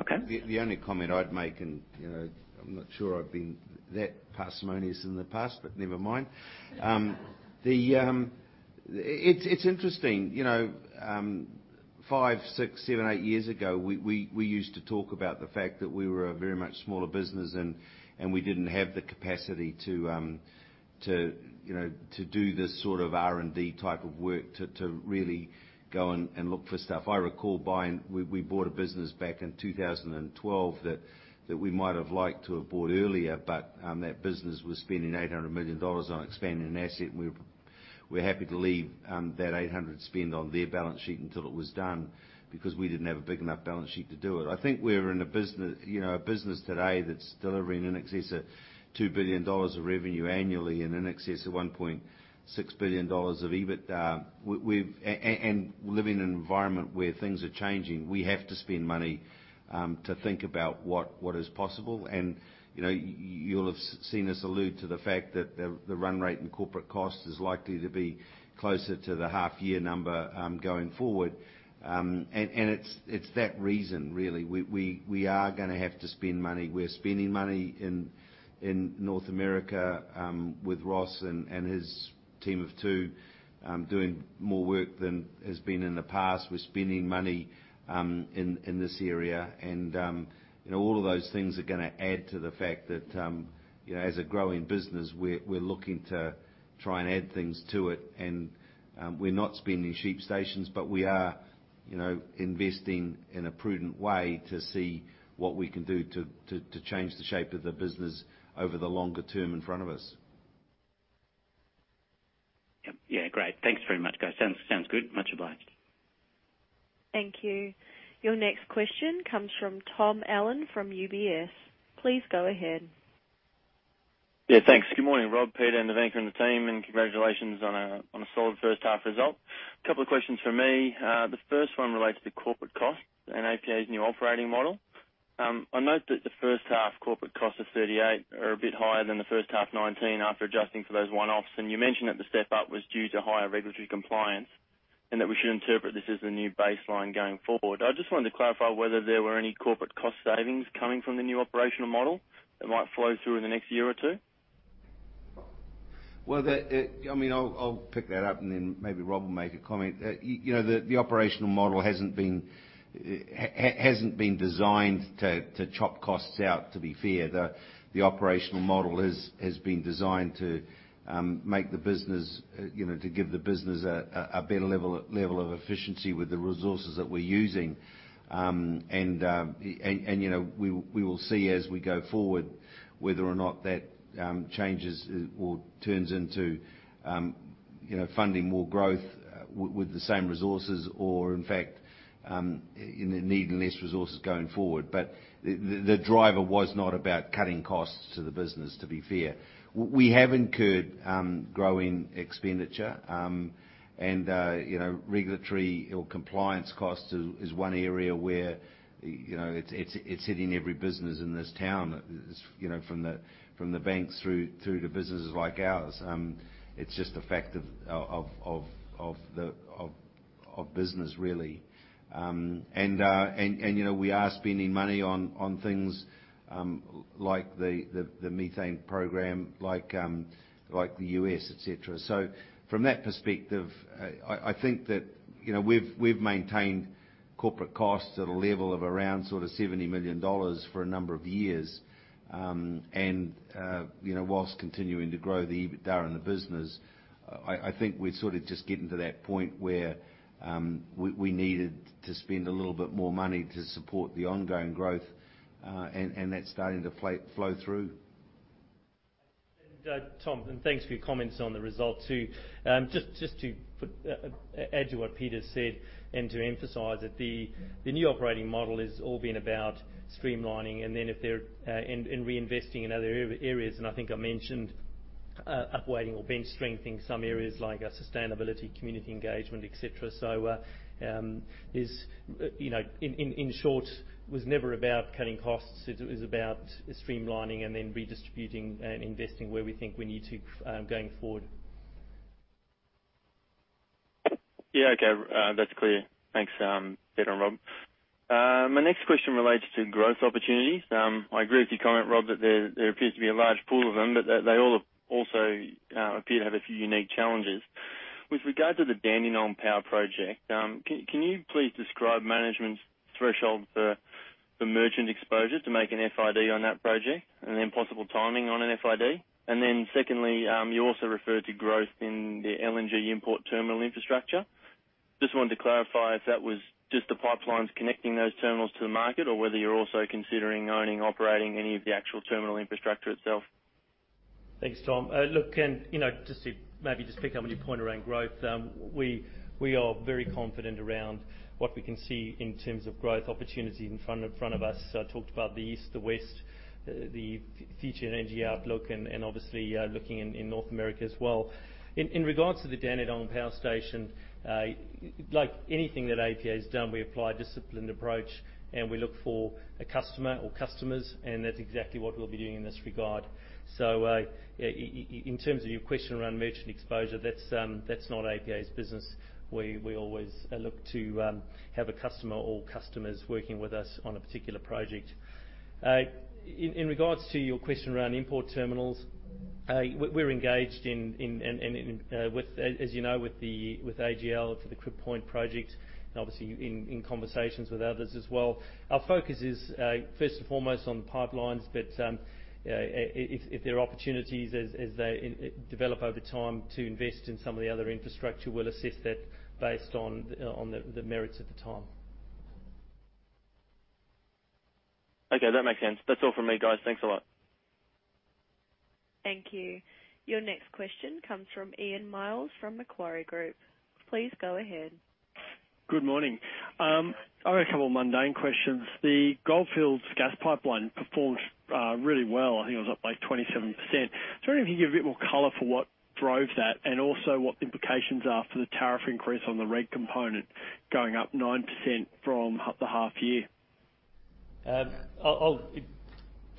Okay. The only comment I'd make, and I'm not sure I've been that parsimonious in the past, but never mind. It's interesting. Five, six, seven, eight years ago, we used to talk about the fact that we were a very much smaller business and we didn't have the capacity to do this sort of R&D type of work to really go and look for stuff. I recall we bought a business back in 2012 that we might have liked to have bought earlier, but that business was spending 800 million dollars on expanding an asset, and we were happy to leave that 800 spend on their balance sheet until it was done because we didn't have a big enough balance sheet to do it. I think we're in a business today that's delivering in excess of 2 billion dollars of revenue annually and in excess of 1.6 billion dollars of EBITDA. Living in an environment where things are changing, we have to spend money to think about what is possible. You'll have seen us allude to the fact that the run rate in corporate cost is likely to be closer to the half year number, going forward. It's that reason, really. We are going to have to spend money. We're spending money in North America with Ross and his team of two doing more work than has been in the past. We're spending money in this area. All of those things are going to add to the fact that, as a growing business, we're looking to try and add things to it. We're not spending sheep stations, but we are investing in a prudent way to see what we can do to change the shape of the business over the longer term in front of us. Yep. Yeah, great. Thanks very much, guys. Sounds good. Much obliged. Thank you. Your next question comes from Tom Allen from UBS. Please go ahead. Thanks. Good morning, Rob, Peter, and the banker on the team, and congratulations on a solid first half result. A couple of questions from me. The first one relates to corporate costs and APA's new operating model. I note that the first half corporate cost of 38 are a bit higher than the first half 2019 after adjusting for those one-offs. You mentioned that the step-up was due to higher regulatory compliance, and that we should interpret this as the new baseline going forward. I just wanted to clarify whether there were any corporate cost savings coming from the new operational model that might flow through in the next year or two? Well, I'll pick that up. Then maybe Rob will make a comment. The operational model hasn't been designed to chop costs out, to be fair. The operational model has been designed to give the business a better level of efficiency with the resources that we're using. We will see as we go forward whether or not that changes or turns into funding more growth with the same resources or, in fact, needing less resources going forward. The driver was not about cutting costs to the business, to be fair. We have incurred growing expenditure. Regulatory or compliance cost is one area where it's hitting every business in this town, from the banks through to businesses like ours. It's just a fact of business, really. We are spending money on things like the methane program, like the U.S., et cetera. From that perspective, I think that we've maintained corporate costs at a level of around sort of 70 million dollars for a number of years, and whilst continuing to grow the EBITDA in the business. I think we're sort of just getting to that point where we needed to spend a little bit more money to support the ongoing growth, and that's starting to flow through. Tom, and thanks for your comments on the result too. Just to add to what Peter said and to emphasize that the new operating model has all been about streamlining and reinvesting in other areas, and I think I mentioned upweighting or bench strengthening some areas like our sustainability, community engagement, et cetera. In short, it was never about cutting costs, it was about streamlining and then redistributing and investing where we think we need to going forward. Yeah, okay. That's clear. Thanks, Peter and Rob. My next question relates to growth opportunities. I agree with your comment, Rob, that there appears to be a large pool of them, but they all also appear to have a few unique challenges. With regard to the Dandenong Power project, can you please describe management's threshold for merchant exposure to make an FID on that project, and then possible timing on an FID? Secondly, you also referred to growth in the LNG import terminal infrastructure. I just wanted to clarify if that was just the pipelines connecting those terminals to the market or whether you're also considering owning, operating any of the actual terminal infrastructure itself. Thanks, Tom. Just to maybe pick up on your point around growth. We are very confident around what we can see in terms of growth opportunities in front of us. I talked about the East, the West, the future energy outlook, and obviously looking in North America as well. In regards to the Dandenong Power Station, like anything that APA has done, we apply a disciplined approach and we look for a customer or customers, and that's exactly what we'll be doing in this regard. In terms of your question around merchant exposure, that's not APA's business. We always look to have a customer or customers working with us on a particular project. In regards to your question around import terminals, we're engaged, as you know, with AGL for the Crib Point project, and obviously in conversations with others as well. Our focus is first and foremost on pipelines, but if there are opportunities as they develop over time to invest in some of the other infrastructure, we'll assess that based on the merits at the time. Okay, that makes sense. That's all from me, guys. Thanks a lot. Thank you. Your next question comes from Ian Myles from Macquarie Group. Please go ahead. Good morning. I've got a couple of mundane questions. The Goldfields Gas Pipeline performed really well. I think it was up by 27%. I wonder if you can give a bit more color for what drove that and also what the implications are for the tariff increase on the reg component going up 9% from the half year. I'll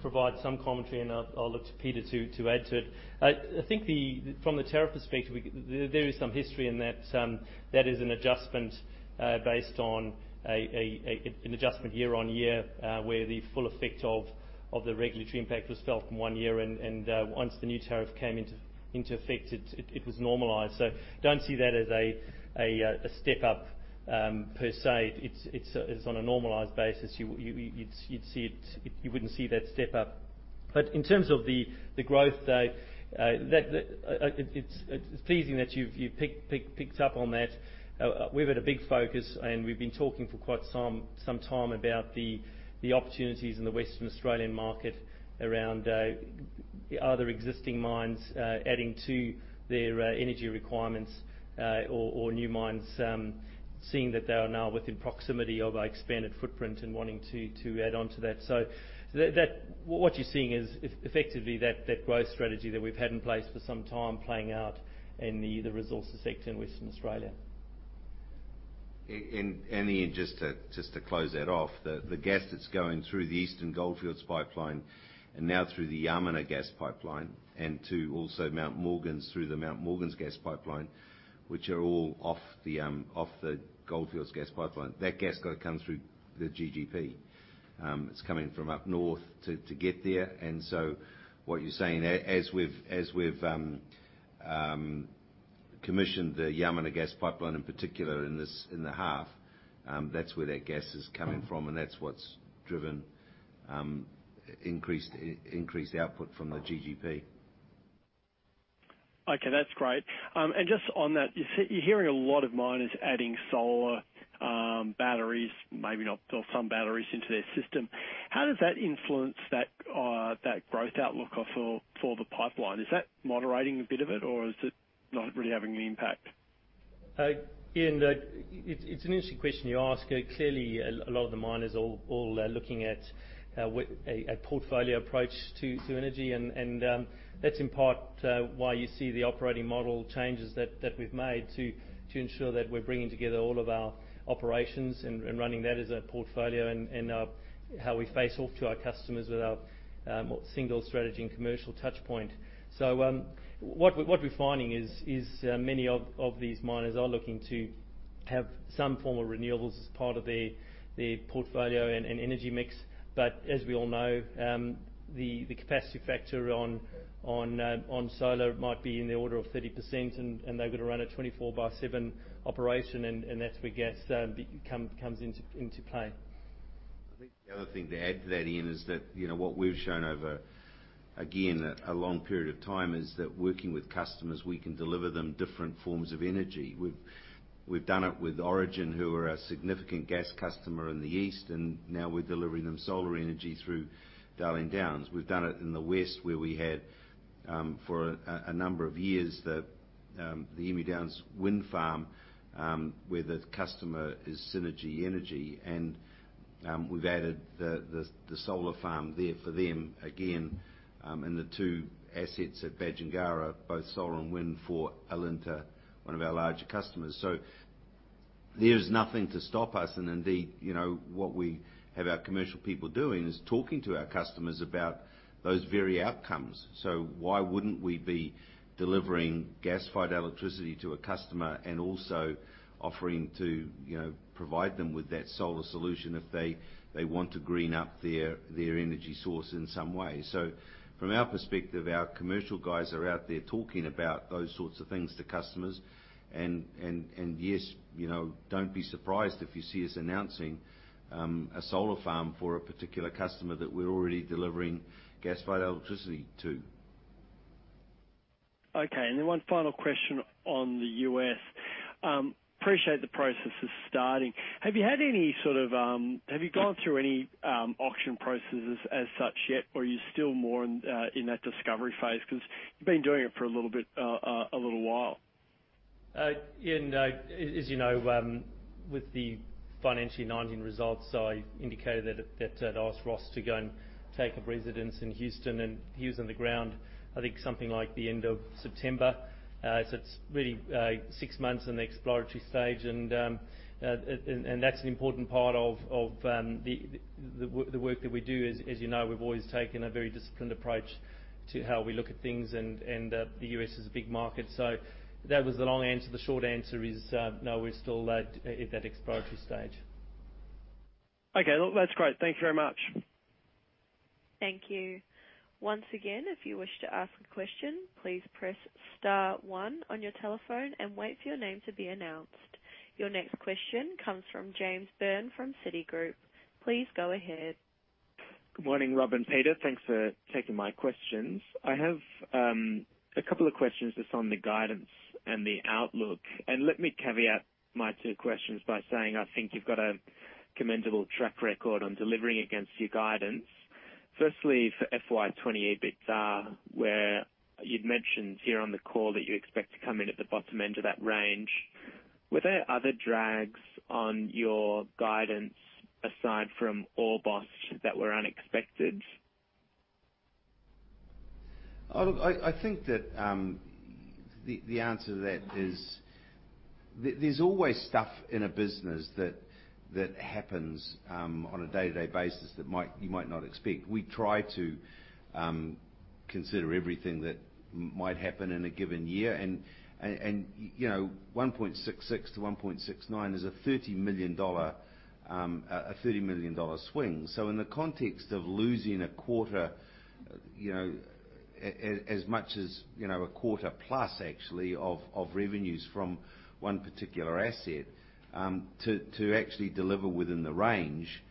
provide some commentary and I'll look to Peter to add to it. I think from the tariff perspective, there is some history in that. That is an adjustment year-on-year, where the full effect of the regulatory impact was felt from one year and once the new tariff came into effect, it was normalized. Don't see that as a step-up per se. It's on a normalized basis, you wouldn't see that step-up. In terms of the growth, it's pleasing that you've picked up on that. We've had a big focus and we've been talking for quite some time about the opportunities in the Western Australian market around other existing mines adding to their energy requirements or new mines, seeing that they are now within proximity of our expanded footprint and wanting to add on to that. What you're seeing is effectively that growth strategy that we've had in place for some time playing out in the resources sector in Western Australia. Ian, just to close that off, the gas that's going through the Eastern Goldfields pipeline and now through the Yamarna Gas Pipeline and to also Mount Morgans through the Mount Morgans Gas Pipeline, which are all off the Goldfields gas pipeline. That gas comes through the GGP. It's coming from up north to get there. What you're saying as we've commissioned the Yamarna Gas Pipeline, in particular in the half, that's where that gas is coming from and that's what's driven increased output from the GGP. Okay, that's great. Just on that, you're hearing a lot of miners adding solar batteries, maybe not, or some batteries into their system. How does that influence that growth outlook for the pipeline? Is that moderating a bit of it or is it not really having an impact? Ian, it's an interesting question you ask. Clearly, a lot of the miners all are looking at a portfolio approach to energy, and that's in part why you see the operating model changes that we've made to ensure that we're bringing together all of our operations and running that as a portfolio and how we face off to our customers with our single strategy and commercial touch point. What we're finding is many of these miners are looking to have some form of renewables as part of their portfolio and energy mix. As we all know, the capacity factor on solar might be in the order of 30%, and they've got to run a 24/7 operation, and that's where gas comes into play. I think the other thing to add to that, Ian, is that what we've shown over, again, a long period of time is that working with customers, we can deliver them different forms of energy. We've done it with Origin Energy, who are a significant gas customer in the east, and now we're delivering them solar energy through Darling Downs Solar Farm. We've done it in the west, where we had, for a number of years, the Emu Downs wind farm, where the customer is Synergy Energy. We've added the solar farm there for them again, and the two assets at Badgingarra, both solar and wind for Alinta Energy, one of our larger customers. There's nothing to stop us, and indeed, what we have our commercial people doing is talking to our customers about those very outcomes. Why wouldn't we be delivering gas-fired electricity to a customer and also offering to provide them with that solar solution if they want to green up their energy source in some way? From our perspective, our commercial guys are out there talking about those sorts of things to customers. Yes, don't be surprised if you see us announcing a solar farm for a particular customer that we're already delivering gas-fired electricity to. Okay. One final question on the U.S. Appreciate the process is starting. Have you gone through any auction processes as such yet, or are you still more in that discovery phase? Because you've been doing it for a little while. Ian, as you know, with the financial 2019 results, I indicated that I'd asked Ross to go and take up residence in Houston, and he was on the ground, I think, something like the end of September. It's really six months in the exploratory stage, and that's an important part of the work that we do. As you know, we've always taken a very disciplined approach to how we look at things, and the U.S. is a big market. That was the long answer. The short answer is no, we're still at that exploratory stage. Okay. Well, that's great. Thank you very much. Thank you. Once again, if you wish to ask a question, please press * one on your telephone and wait for your name to be announced. Your next question comes from James Byrne from Citigroup. Please go ahead. Good morning, Rob and Peter. Thanks for taking my questions. I have a couple of questions just on the guidance and the outlook. Let me caveat my two questions by saying I think you've got a commendable track record on delivering against your guidance. Firstly, for FY 2020, EBITDA is where you'd mentioned here on the call that you expect to come in at the bottom end of that range. Were there other drags on your guidance aside from Orbost that were unexpected? I think that the answer to that is there's always stuff in a business that happens on a day-to-day basis that you might not expect. We try to consider everything that might happen in a given year, 1.66 to 1.69 is an 30 million swing. In the context of losing as much as a quarter plus actually of revenues from one particular asset, to actually deliver within the range,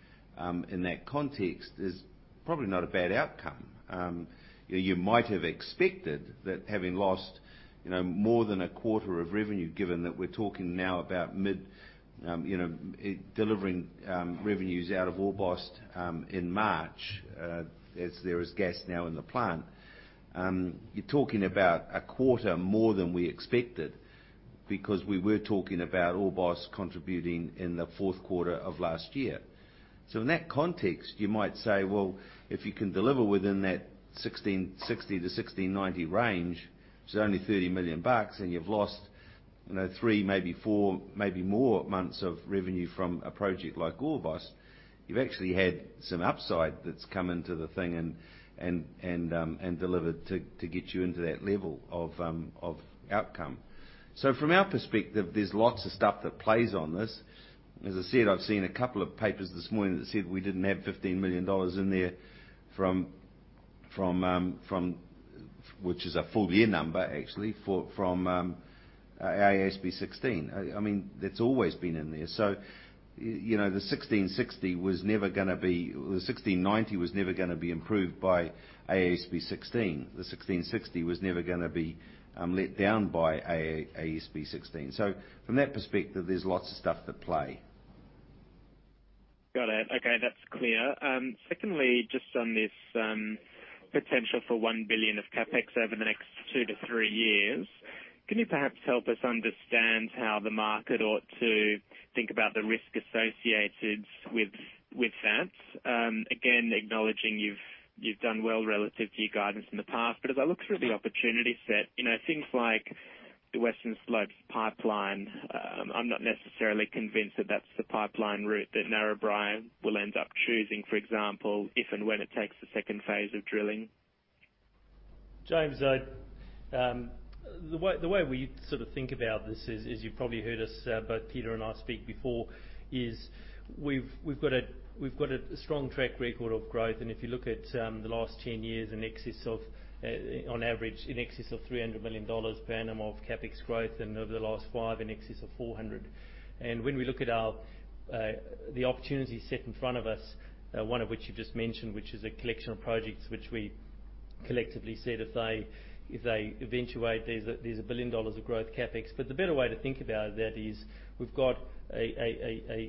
in that context, is probably not a bad outcome. You might have expected that having lost more than a quarter of revenue, given that we're talking now about delivering revenues out of Orbost in March, as there is gas now in the plant. You're talking about a quarter more than we expected because we were talking about Orbost contributing in the fourth quarter of last year. In that context, you might say, well, if you can deliver within that 1,660 to 1,690 range, which is only 30 million bucks, and you've lost three, maybe four, maybe more months of revenue from a project like Orbost, you've actually had some upside that's come into the thing and delivered to get you into that level of outcome. As I said, I've seen a couple of papers this morning that said we didn't have 15 million dollars in there, which is a full year number actually, from AASB 16. That's always been in there. The 1,690 was never gonna be improved by AASB 16. The 1,660 was never gonna be let down by AASB 16. From that perspective, there's lots of stuff to play. Got it. Okay. That's clear. Just on this potential for 1 billion of CapEx over the next two to three years, can you perhaps help us understand how the market ought to think about the risk associated with that? Again, acknowledging you've done well relative to your guidance in the past, but as I look through the opportunity set, things like the Western Slopes Pipeline, I'm not necessarily convinced that that's the pipeline route that Narrabri will end up choosing, for example, if and when it takes the second phase of drilling. James, the way we think about this is, you probably heard us, both Peter and I speak before, is we've got a strong track record of growth. If you look at the last 10 years, on average, in excess of 300 million dollars per annum of CapEx growth and over the last five, in excess of 400 million. When we look at the opportunity set in front of us, one of which you just mentioned, which is a collection of projects which we collectively said if they eventuate, there's 1 billion dollars of growth CapEx. The better way to think about that is we've got a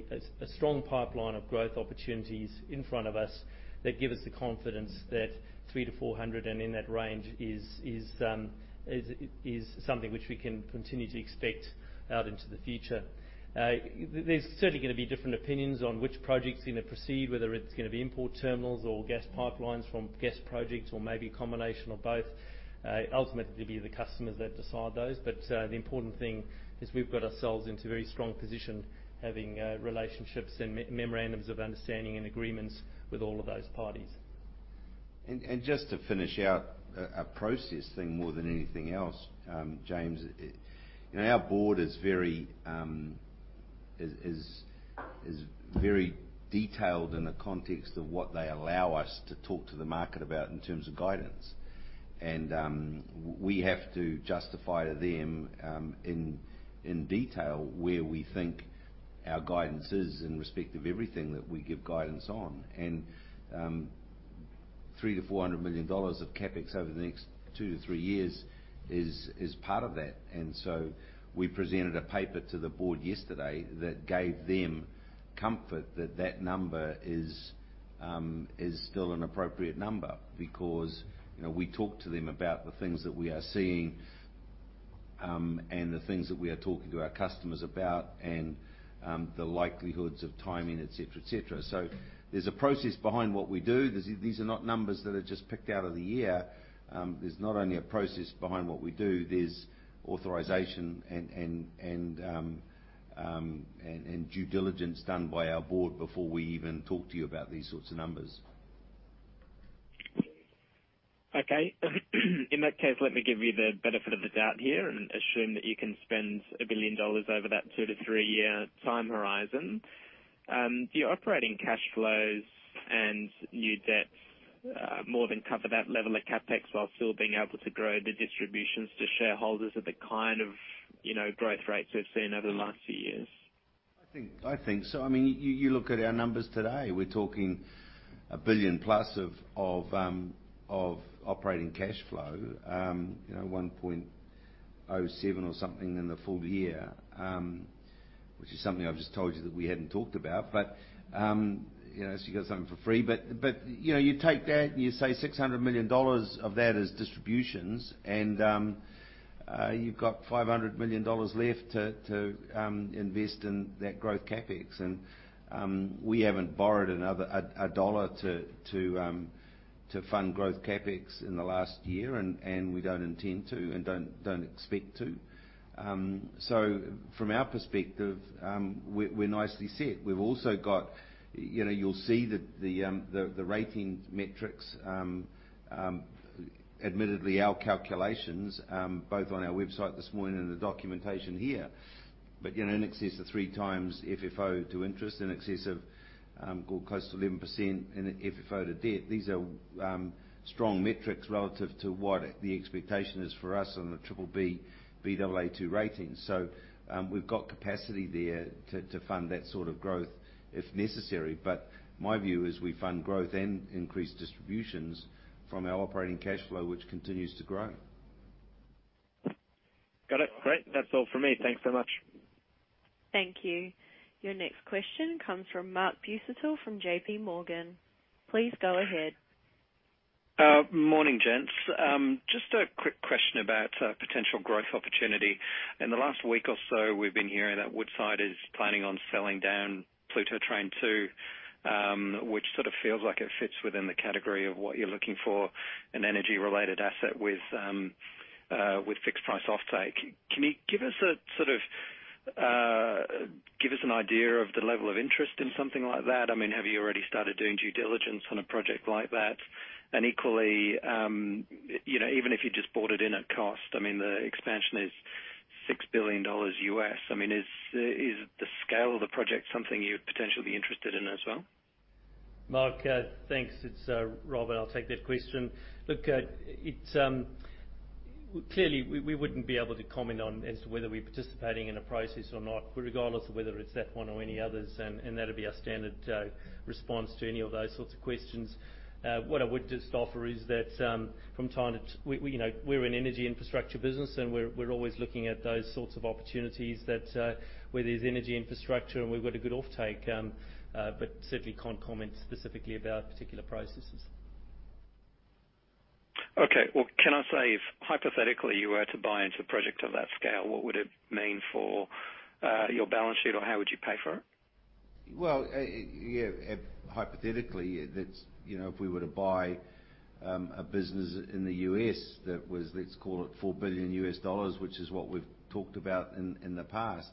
strong pipeline of growth opportunities in front of us that give us the confidence that 300 million-400 million and in that range is something which we can continue to expect out into the future. There's certainly going to be different opinions on which projects are going to proceed, whether it's going to be import terminals or gas pipelines from gas projects or maybe a combination of both. Ultimately, it will be the customers that decide those. The important thing is we've got ourselves into a very strong position, having relationships and memorandums of understanding and agreements with all of those parties. Just to finish out a process thing more than anything else, James, our board is very detailed in the context of what they allow us to talk to the market about in terms of guidance. We have to justify to them in detail where we think our guidance is in respect of everything that we give guidance on. 300 million-400 million dollars of CapEx over the next two to three years is part of that. We presented a paper to the board yesterday that gave them comfort that that number is still an appropriate number because we talk to them about the things that we are seeing and the things that we are talking to our customers about, and the likelihoods of timing, et cetera. There's a process behind what we do. These are not numbers that are just picked out of the air. There's not only a process behind what we do, there's authorization and due diligence done by our board before we even talk to you about these sorts of numbers. In that case, let me give you the benefit of the doubt here and assume that you can spend 1 billion dollars over that two to three year time horizon. Do your operating cash flows and new debts more than cover that level of CapEx while still being able to grow the distributions to shareholders at the kind of growth rates we've seen over the last few years? I think so. You look at our numbers today, we're talking 1 billion+ of operating cash flow. 1.07 or something in the full year, which is something I've just told you that we hadn't talked about, so you got something for free. You take that and you say 600 million dollars of that is distributions, and you've got 500 million dollars left to invest in that growth CapEx. We haven't borrowed a dollar to fund growth CapEx in the last year, and we don't intend to and don't expect to. From our perspective, we're nicely set. You'll see that the rating metrics, admittedly our calculations, both on our website this morning and the documentation here. In excess of three times FFO to interest, in excess of close to 11% in FFO to debt. These are strong metrics relative to what the expectation is for us on the BBB, Baa2 ratings. We've got capacity there to fund that sort of growth if necessary. My view is we fund growth and increase distributions from our operating cash flow, which continues to grow. Got it. Great. That's all from me. Thanks so much. Thank you. Your next question comes from Mark Busuttil from JPMorgan. Please go ahead. Morning, gents. Just a quick question about potential growth opportunity. In the last week or so, we've been hearing that Woodside is planning on selling down Pluto Train Two, which sort of feels like it fits within the category of what you're looking for in energy related asset with fixed price offtake. Can you give us an idea of the level of interest in something like that? Have you already started doing due diligence on a project like that? Equally, even if you just bought it in at cost, the expansion is $6 billion. Is the scale of the project something you'd potentially be interested in as well? Mark, thanks. It's Rob. I'll take that question. Look, clearly, we wouldn't be able to comment on as to whether we're participating in a process or not, but regardless of whether it's that one or any others, and that'll be our standard response to any of those sorts of questions. What I would just offer is that we're an energy infrastructure business, and we're always looking at those sorts of opportunities that where there's energy infrastructure and we've got a good offtake. Certainly can't comment specifically about particular processes. Okay. Well, can I say if hypothetically you were to buy into a project of that scale, what would it mean for your balance sheet? How would you pay for it? Well, hypothetically, if we were to buy a business in the U.S. that was, let's call it, $4 billion, which is what we've talked about in the past.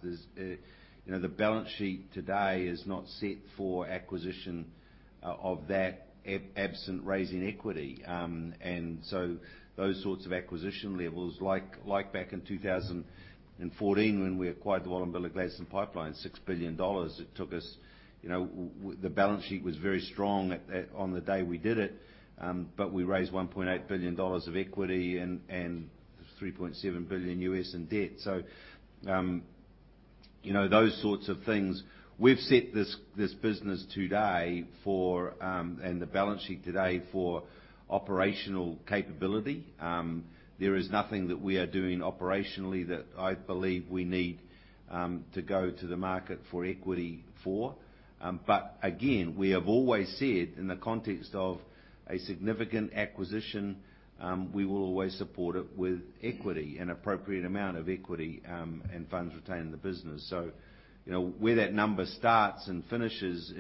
The balance sheet today is not set for acquisition of that absent raising equity. Those sorts of acquisition levels, like back in 2014 when we acquired the Wallumbilla Gladstone Pipeline, 6 billion dollars. The balance sheet was very strong on the day we did it, we raised AUD 1.8 billion of equity and $3.7 billion in debt. Those sorts of things. We've set this business today and the balance sheet today for operational capability. There is nothing that we are doing operationally that I believe we need to go to the market for equity for. Again, we have always said in the context of a significant acquisition, we will always support it with equity, an appropriate amount of equity and funds retained in the business. Where that number starts and finishes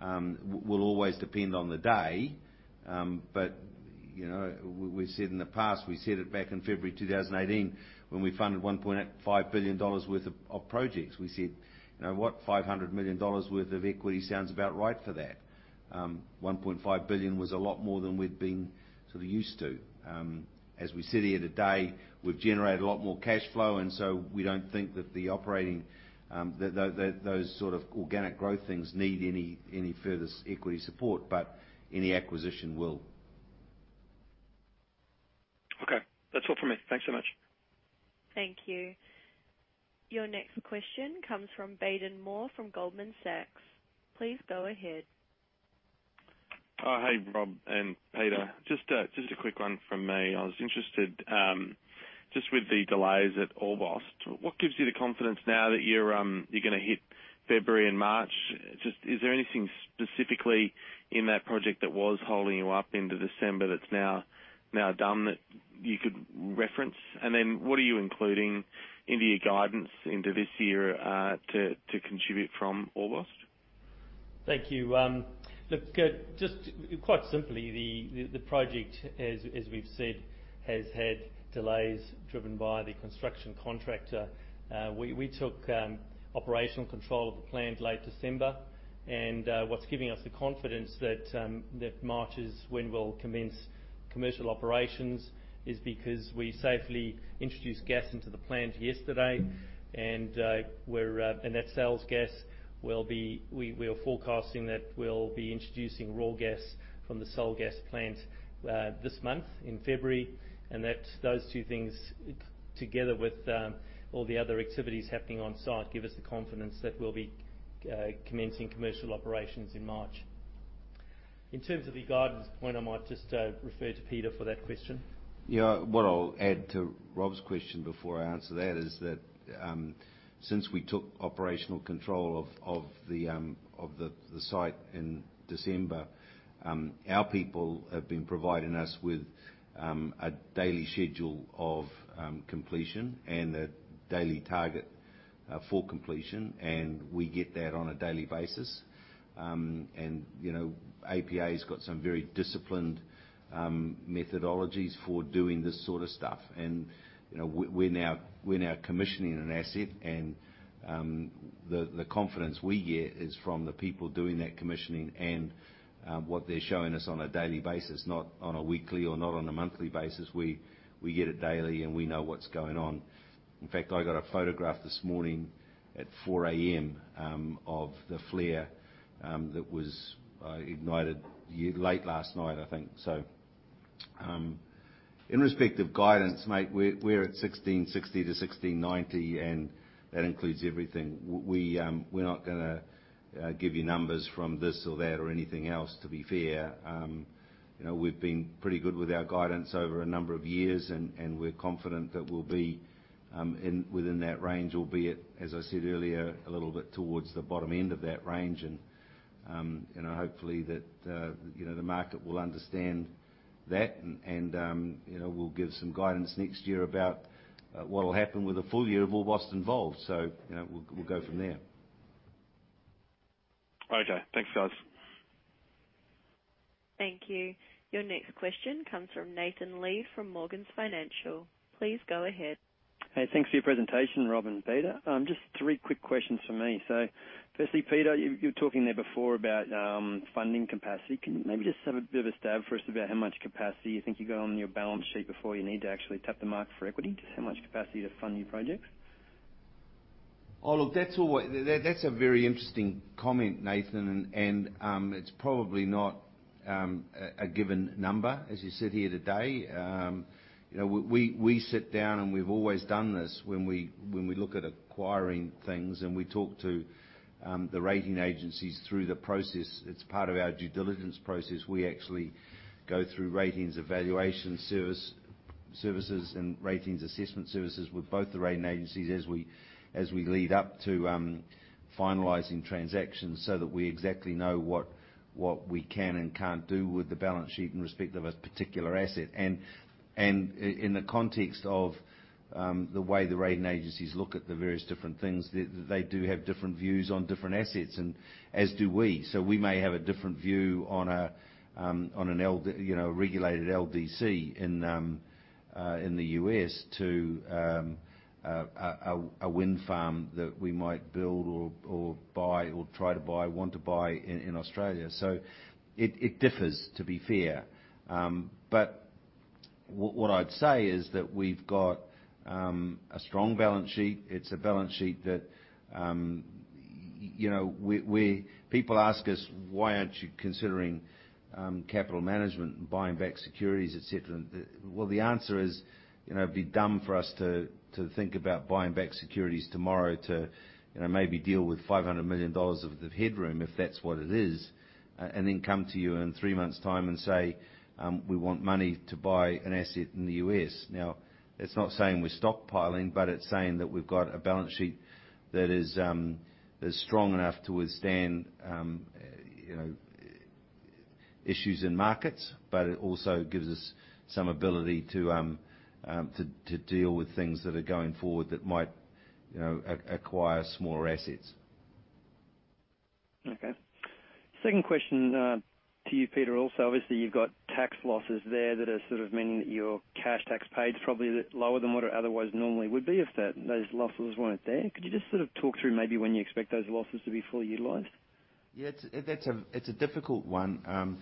will always depend on the day. We've said in the past, we said it back in February 2018 when we funded 1.5 billion dollars worth of projects. We said, "500 million dollars worth of equity sounds about right for that." 1.5 billion was a lot more than we'd been sort of used to. As we sit here today, we've generated a lot more cash flow and so we don't think that those sort of organic growth things need any further equity support, but any acquisition will. Okay. That's all from me. Thanks so much. Thank you. Your next question comes from Baden Moore from Goldman Sachs. Please go ahead. Oh, hey, Rob and Peter. Just a quick one from me. I was interested, just with the delays at Orbost, what gives you the confidence now that you're going to hit February and March? Is there anything specifically in that project that was holding you up into December that's now done that you could reference? What are you including into your guidance into this year, to contribute from Orbost? Thank you. Look, just quite simply, the project, as we've said, has had delays driven by the construction contractor. We took operational control of the plant late December, and what's giving us the confidence that March is when we'll commence commercial operations is because we safely introduced gas into the plant yesterday. We are forecasting that we'll be introducing raw gas from the Sole gas plant this month, in February, and that those two things, together with all the other activities happening on site, give us the confidence that we'll be commencing commercial operations in March. In terms of the guidance point, I might just refer to Peter for that question. What I'll add to Rob's question before I answer that is that, since we took operational control of the site in December, our people have been providing us with a daily schedule of completion and a daily target for completion. We get that on a daily basis. APA's got some very disciplined methodologies for doing this sort of stuff. We're now commissioning an asset and the confidence we get is from the people doing that commissioning and what they're showing us on a daily basis, not on a weekly or not on a monthly basis. We get it daily and we know what's going on. In fact, I got a photograph this morning at 4:00 A.M. of the flare that was ignited late last night, I think. In respect of guidance, mate, we're at 1,660-1,690, and that includes everything. We're not going to give you numbers from this or that or anything else, to be fair. We've been pretty good with our guidance over a number of years, we're confident that we'll be within that range, albeit, as I said earlier, a little bit towards the bottom end of that range. Hopefully the market will understand that and we'll give some guidance next year about what'll happen with a full year of Orbost involved. We'll go from there. Okay. Thanks, guys. Thank you. Your next question comes from Nathan Lead from Morgans Financial. Please go ahead. Hey, thanks for your presentation, Rob and Peter. Just three quick questions from me. Firstly, Peter, you were talking there before about funding capacity. Can you maybe just have a bit of a stab for us about how much capacity you think you got on your balance sheet before you need to actually tap the market for equity? Just how much capacity to fund your projects? Oh, look, that's a very interesting comment, Nathan, and it's probably not a given number as you sit here today. We sit down and we've always done this when we look at acquiring things and we talk to the rating agencies through the process. It's part of our due diligence process. We actually go through ratings evaluation services and ratings assessment services with both the rating agencies as we lead up to finalizing transactions, so that we exactly know what we can and can't do with the balance sheet in respect of a particular asset. In the context of the way the rating agencies look at the various different things, they do have different views on different assets and as do we. We may have a different view on a regulated LDC in the U.S. to a wind farm that we might build or buy or try to buy, want to buy in Australia. It differs, to be fair. What I'd say is that we've got a strong balance sheet. It's a balance sheet that where people ask us, "Why aren't you considering capital management and buying back securities," et cetera. The answer is, it'd be dumb for us to think about buying back securities tomorrow to maybe deal with 500 million dollars of the headroom, if that's what it is, and then come to you in three months time and say, "We want money to buy an asset in the U.S." It's not saying we're stockpiling, but it's saying that we've got a balance sheet that is strong enough to withstand issues in markets, but it also gives us some ability to deal with things that are going forward that might acquire smaller assets. Second question to you, Peter, also. Obviously, you've got tax losses there that are sort of meaning that your cash tax paid is probably lower than what it otherwise normally would be if those losses weren't there. Could you just sort of talk through maybe when you expect those losses to be fully utilized? Yeah, it's a difficult one.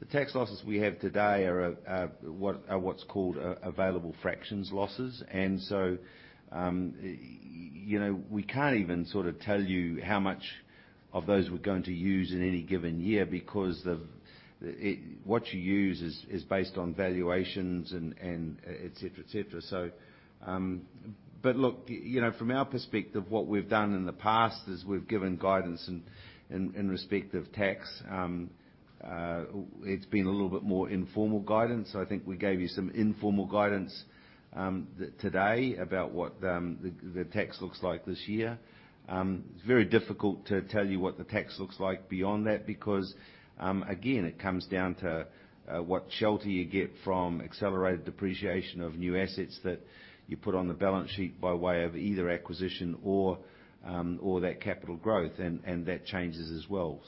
The tax losses we have today are what's called available fraction losses. We can't even sort of tell you how much of those we're going to use in any given year because what you use is based on valuations, and et cetera. Look, from our perspective, what we've done in the past is we've given guidance in respect of tax. It's been a little bit more informal guidance. I think we gave you some informal guidance today about what the tax looks like this year. It's very difficult to tell you what the tax looks like beyond that, because, again, it comes down to what shelter you get from accelerated depreciation of new assets that you put on the balance sheet by way of either acquisition or that capital growth, and that changes as well.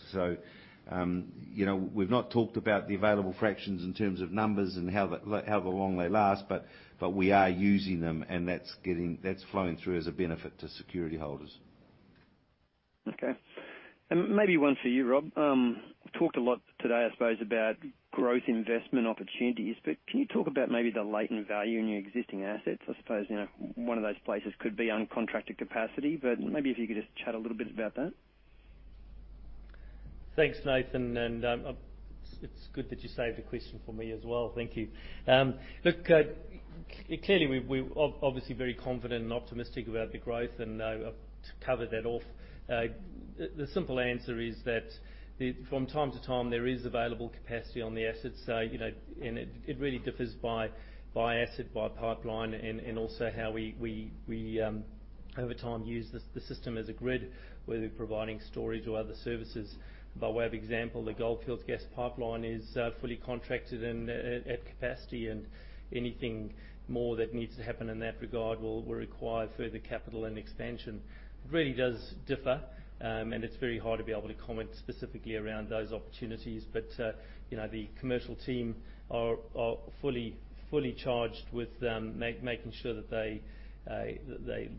We've not talked about the available fraction in terms of numbers and however long they last, but we are using them, and that's flowing through as a benefit to security holders. Okay. Maybe one for you, Rob. You talked a lot today, I suppose, about growth investment opportunities. Can you talk about maybe the latent value in your existing assets? I suppose, one of those places could be uncontracted capacity, but maybe if you could just chat a little bit about that. Thanks, Nathan, and it's good that you saved a question for me as well. Thank you. Look, clearly, we're obviously very confident and optimistic about the growth, and to cover that off, the simple answer is that from time-to-time, there is available capacity on the assets. It really differs by asset, by pipeline, and also how we, over time, use the system as a grid, whether we're providing storage or other services. By way of example, the Goldfields Gas Pipeline is fully contracted and at capacity, and anything more that needs to happen in that regard will require further capital and expansion. It really does differ, and it's very hard to be able to comment specifically around those opportunities. The commercial team are fully charged with making sure that they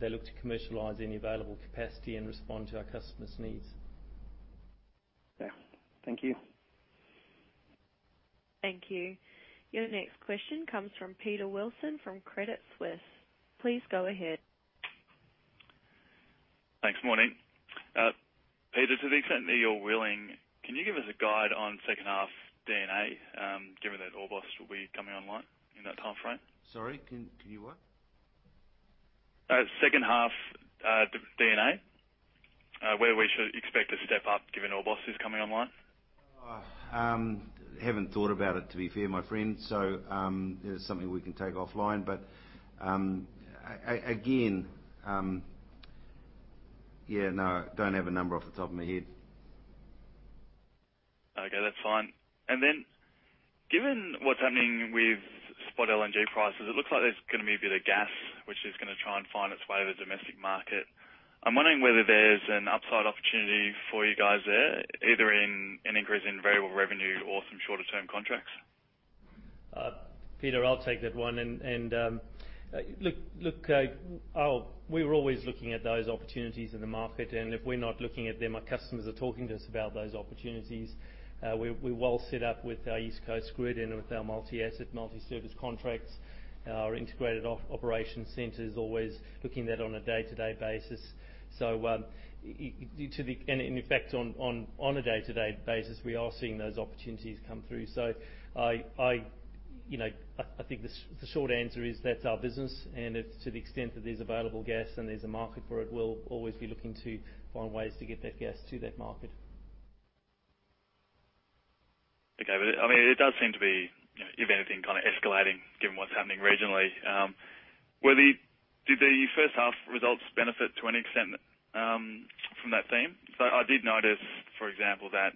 look to commercialize any available capacity and respond to our customers' needs. Yeah. Thank you. Thank you. Your next question comes from Peter Wilson from Credit Suisse. Please go ahead. Thanks. Morning. Peter, to the extent that you're willing, can you give us a guide on second half D&A, given that Orbost will be coming online in that timeframe? Sorry, can you what? Second half D&A, where we should expect a step up given Orbost is coming online. I haven't thought about it, to be fair, my friend. It's something we can take offline. Again, yeah, no, I don't have a number off the top of my head. Okay, that's fine. Given what's happening with spot LNG prices, it looks like there's going to be a bit of gas which is going to try and find its way to the domestic market. I'm wondering whether there's an upside opportunity for you guys there, either in an increase in variable revenue or some shorter-term contracts. Peter, I'll take that one. Look, we're always looking at those opportunities in the market, and if we're not looking at them, our customers are talking to us about those opportunities. We're well set up with our East Coast grid and with our multi-asset, multi-service contracts. Our integrated operation center is always looking at that on a day-to-day basis. In effect, on a day-to-day basis, we are seeing those opportunities come through. I think the short answer is that's our business, and to the extent that there's available gas and there's a market for it, we'll always be looking to find ways to get that gas to that market. It does seem to be, if anything, kind of escalating given what's happening regionally. Do the first half results benefit to any extent from that theme? Because I did notice, for example, that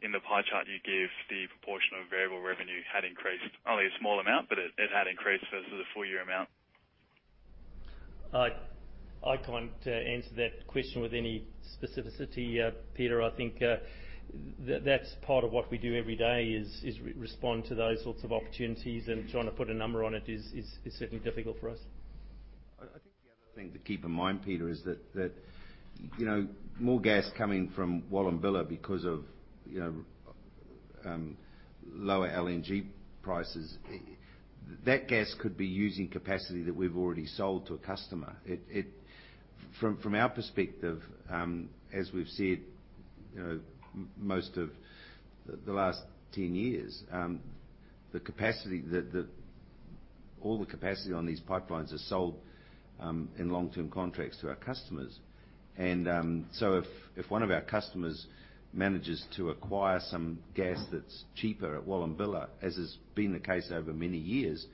in the pie chart you give, the proportion of variable revenue had increased. Only a small amount, but it had increased versus the full year amount. I can't answer that question with any specificity, Peter. I think that's part of what we do every day is respond to those sorts of opportunities and trying to put a number on it is certainly difficult for us. I think the other thing to keep in mind, Peter, is that more gas coming from Wallumbilla because of lower LNG prices, that gas could be using capacity that we've already sold to a customer. From our perspective, as we've said most of the last 10 years, all the capacity on these pipelines are sold in long-term contracts to our customers. If one of our customers manages to acquire some gas that's cheaper at Wallumbilla, as has been the case over many years,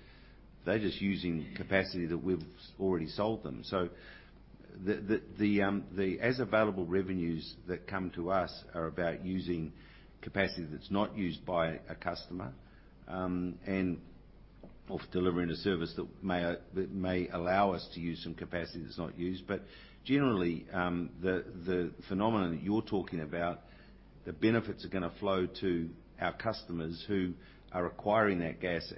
they're just using capacity that we've already sold them. The as available revenues that come to us are about using capacity that's not used by a customer, and of delivering a service that may allow us to use some capacity that's not used. Generally, the phenomenon that you're talking about, the benefits are going to flow to our customers who are acquiring that gas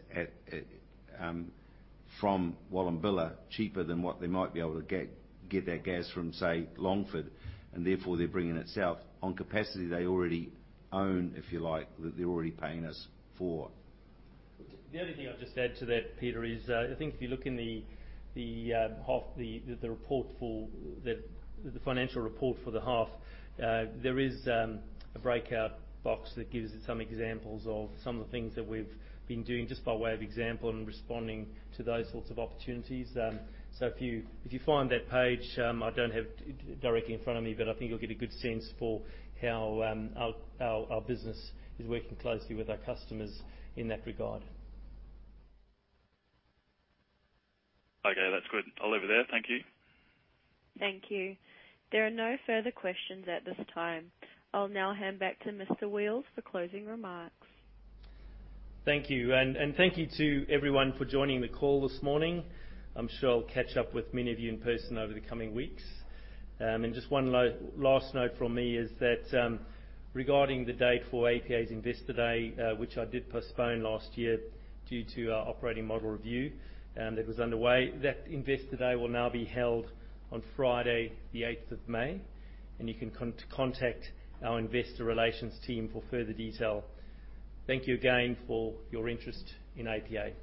from Wallumbilla cheaper than what they might be able to get that gas from, say, Longford, and therefore they're bringing it south on capacity they already own, if you like, that they're already paying us for. The only thing I'll just add to that, Peter, is I think if you look in the financial report for the half, there is a breakout box that gives some examples of some of the things that we've been doing just by way of example and responding to those sorts of opportunities. If you find that page, I don't have it directly in front of me, but I think you'll get a good sense for how our business is working closely with our customers in that regard. Okay, that's good. I'll leave it there. Thank you. Thank you. There are no further questions at this time. I'll now hand back to Mr. Wheals for closing remarks. Thank you. Thank you to everyone for joining the call this morning. I'm sure I'll catch up with many of you in person over the coming weeks. Just one last note from me is that regarding the date for APA's Investor Day, which I did postpone last year due to our operating model review that was underway, that Investor Day will now be held on Friday, the 8th of May. You can contact our investor relations team for further detail. Thank you again for your interest in APA.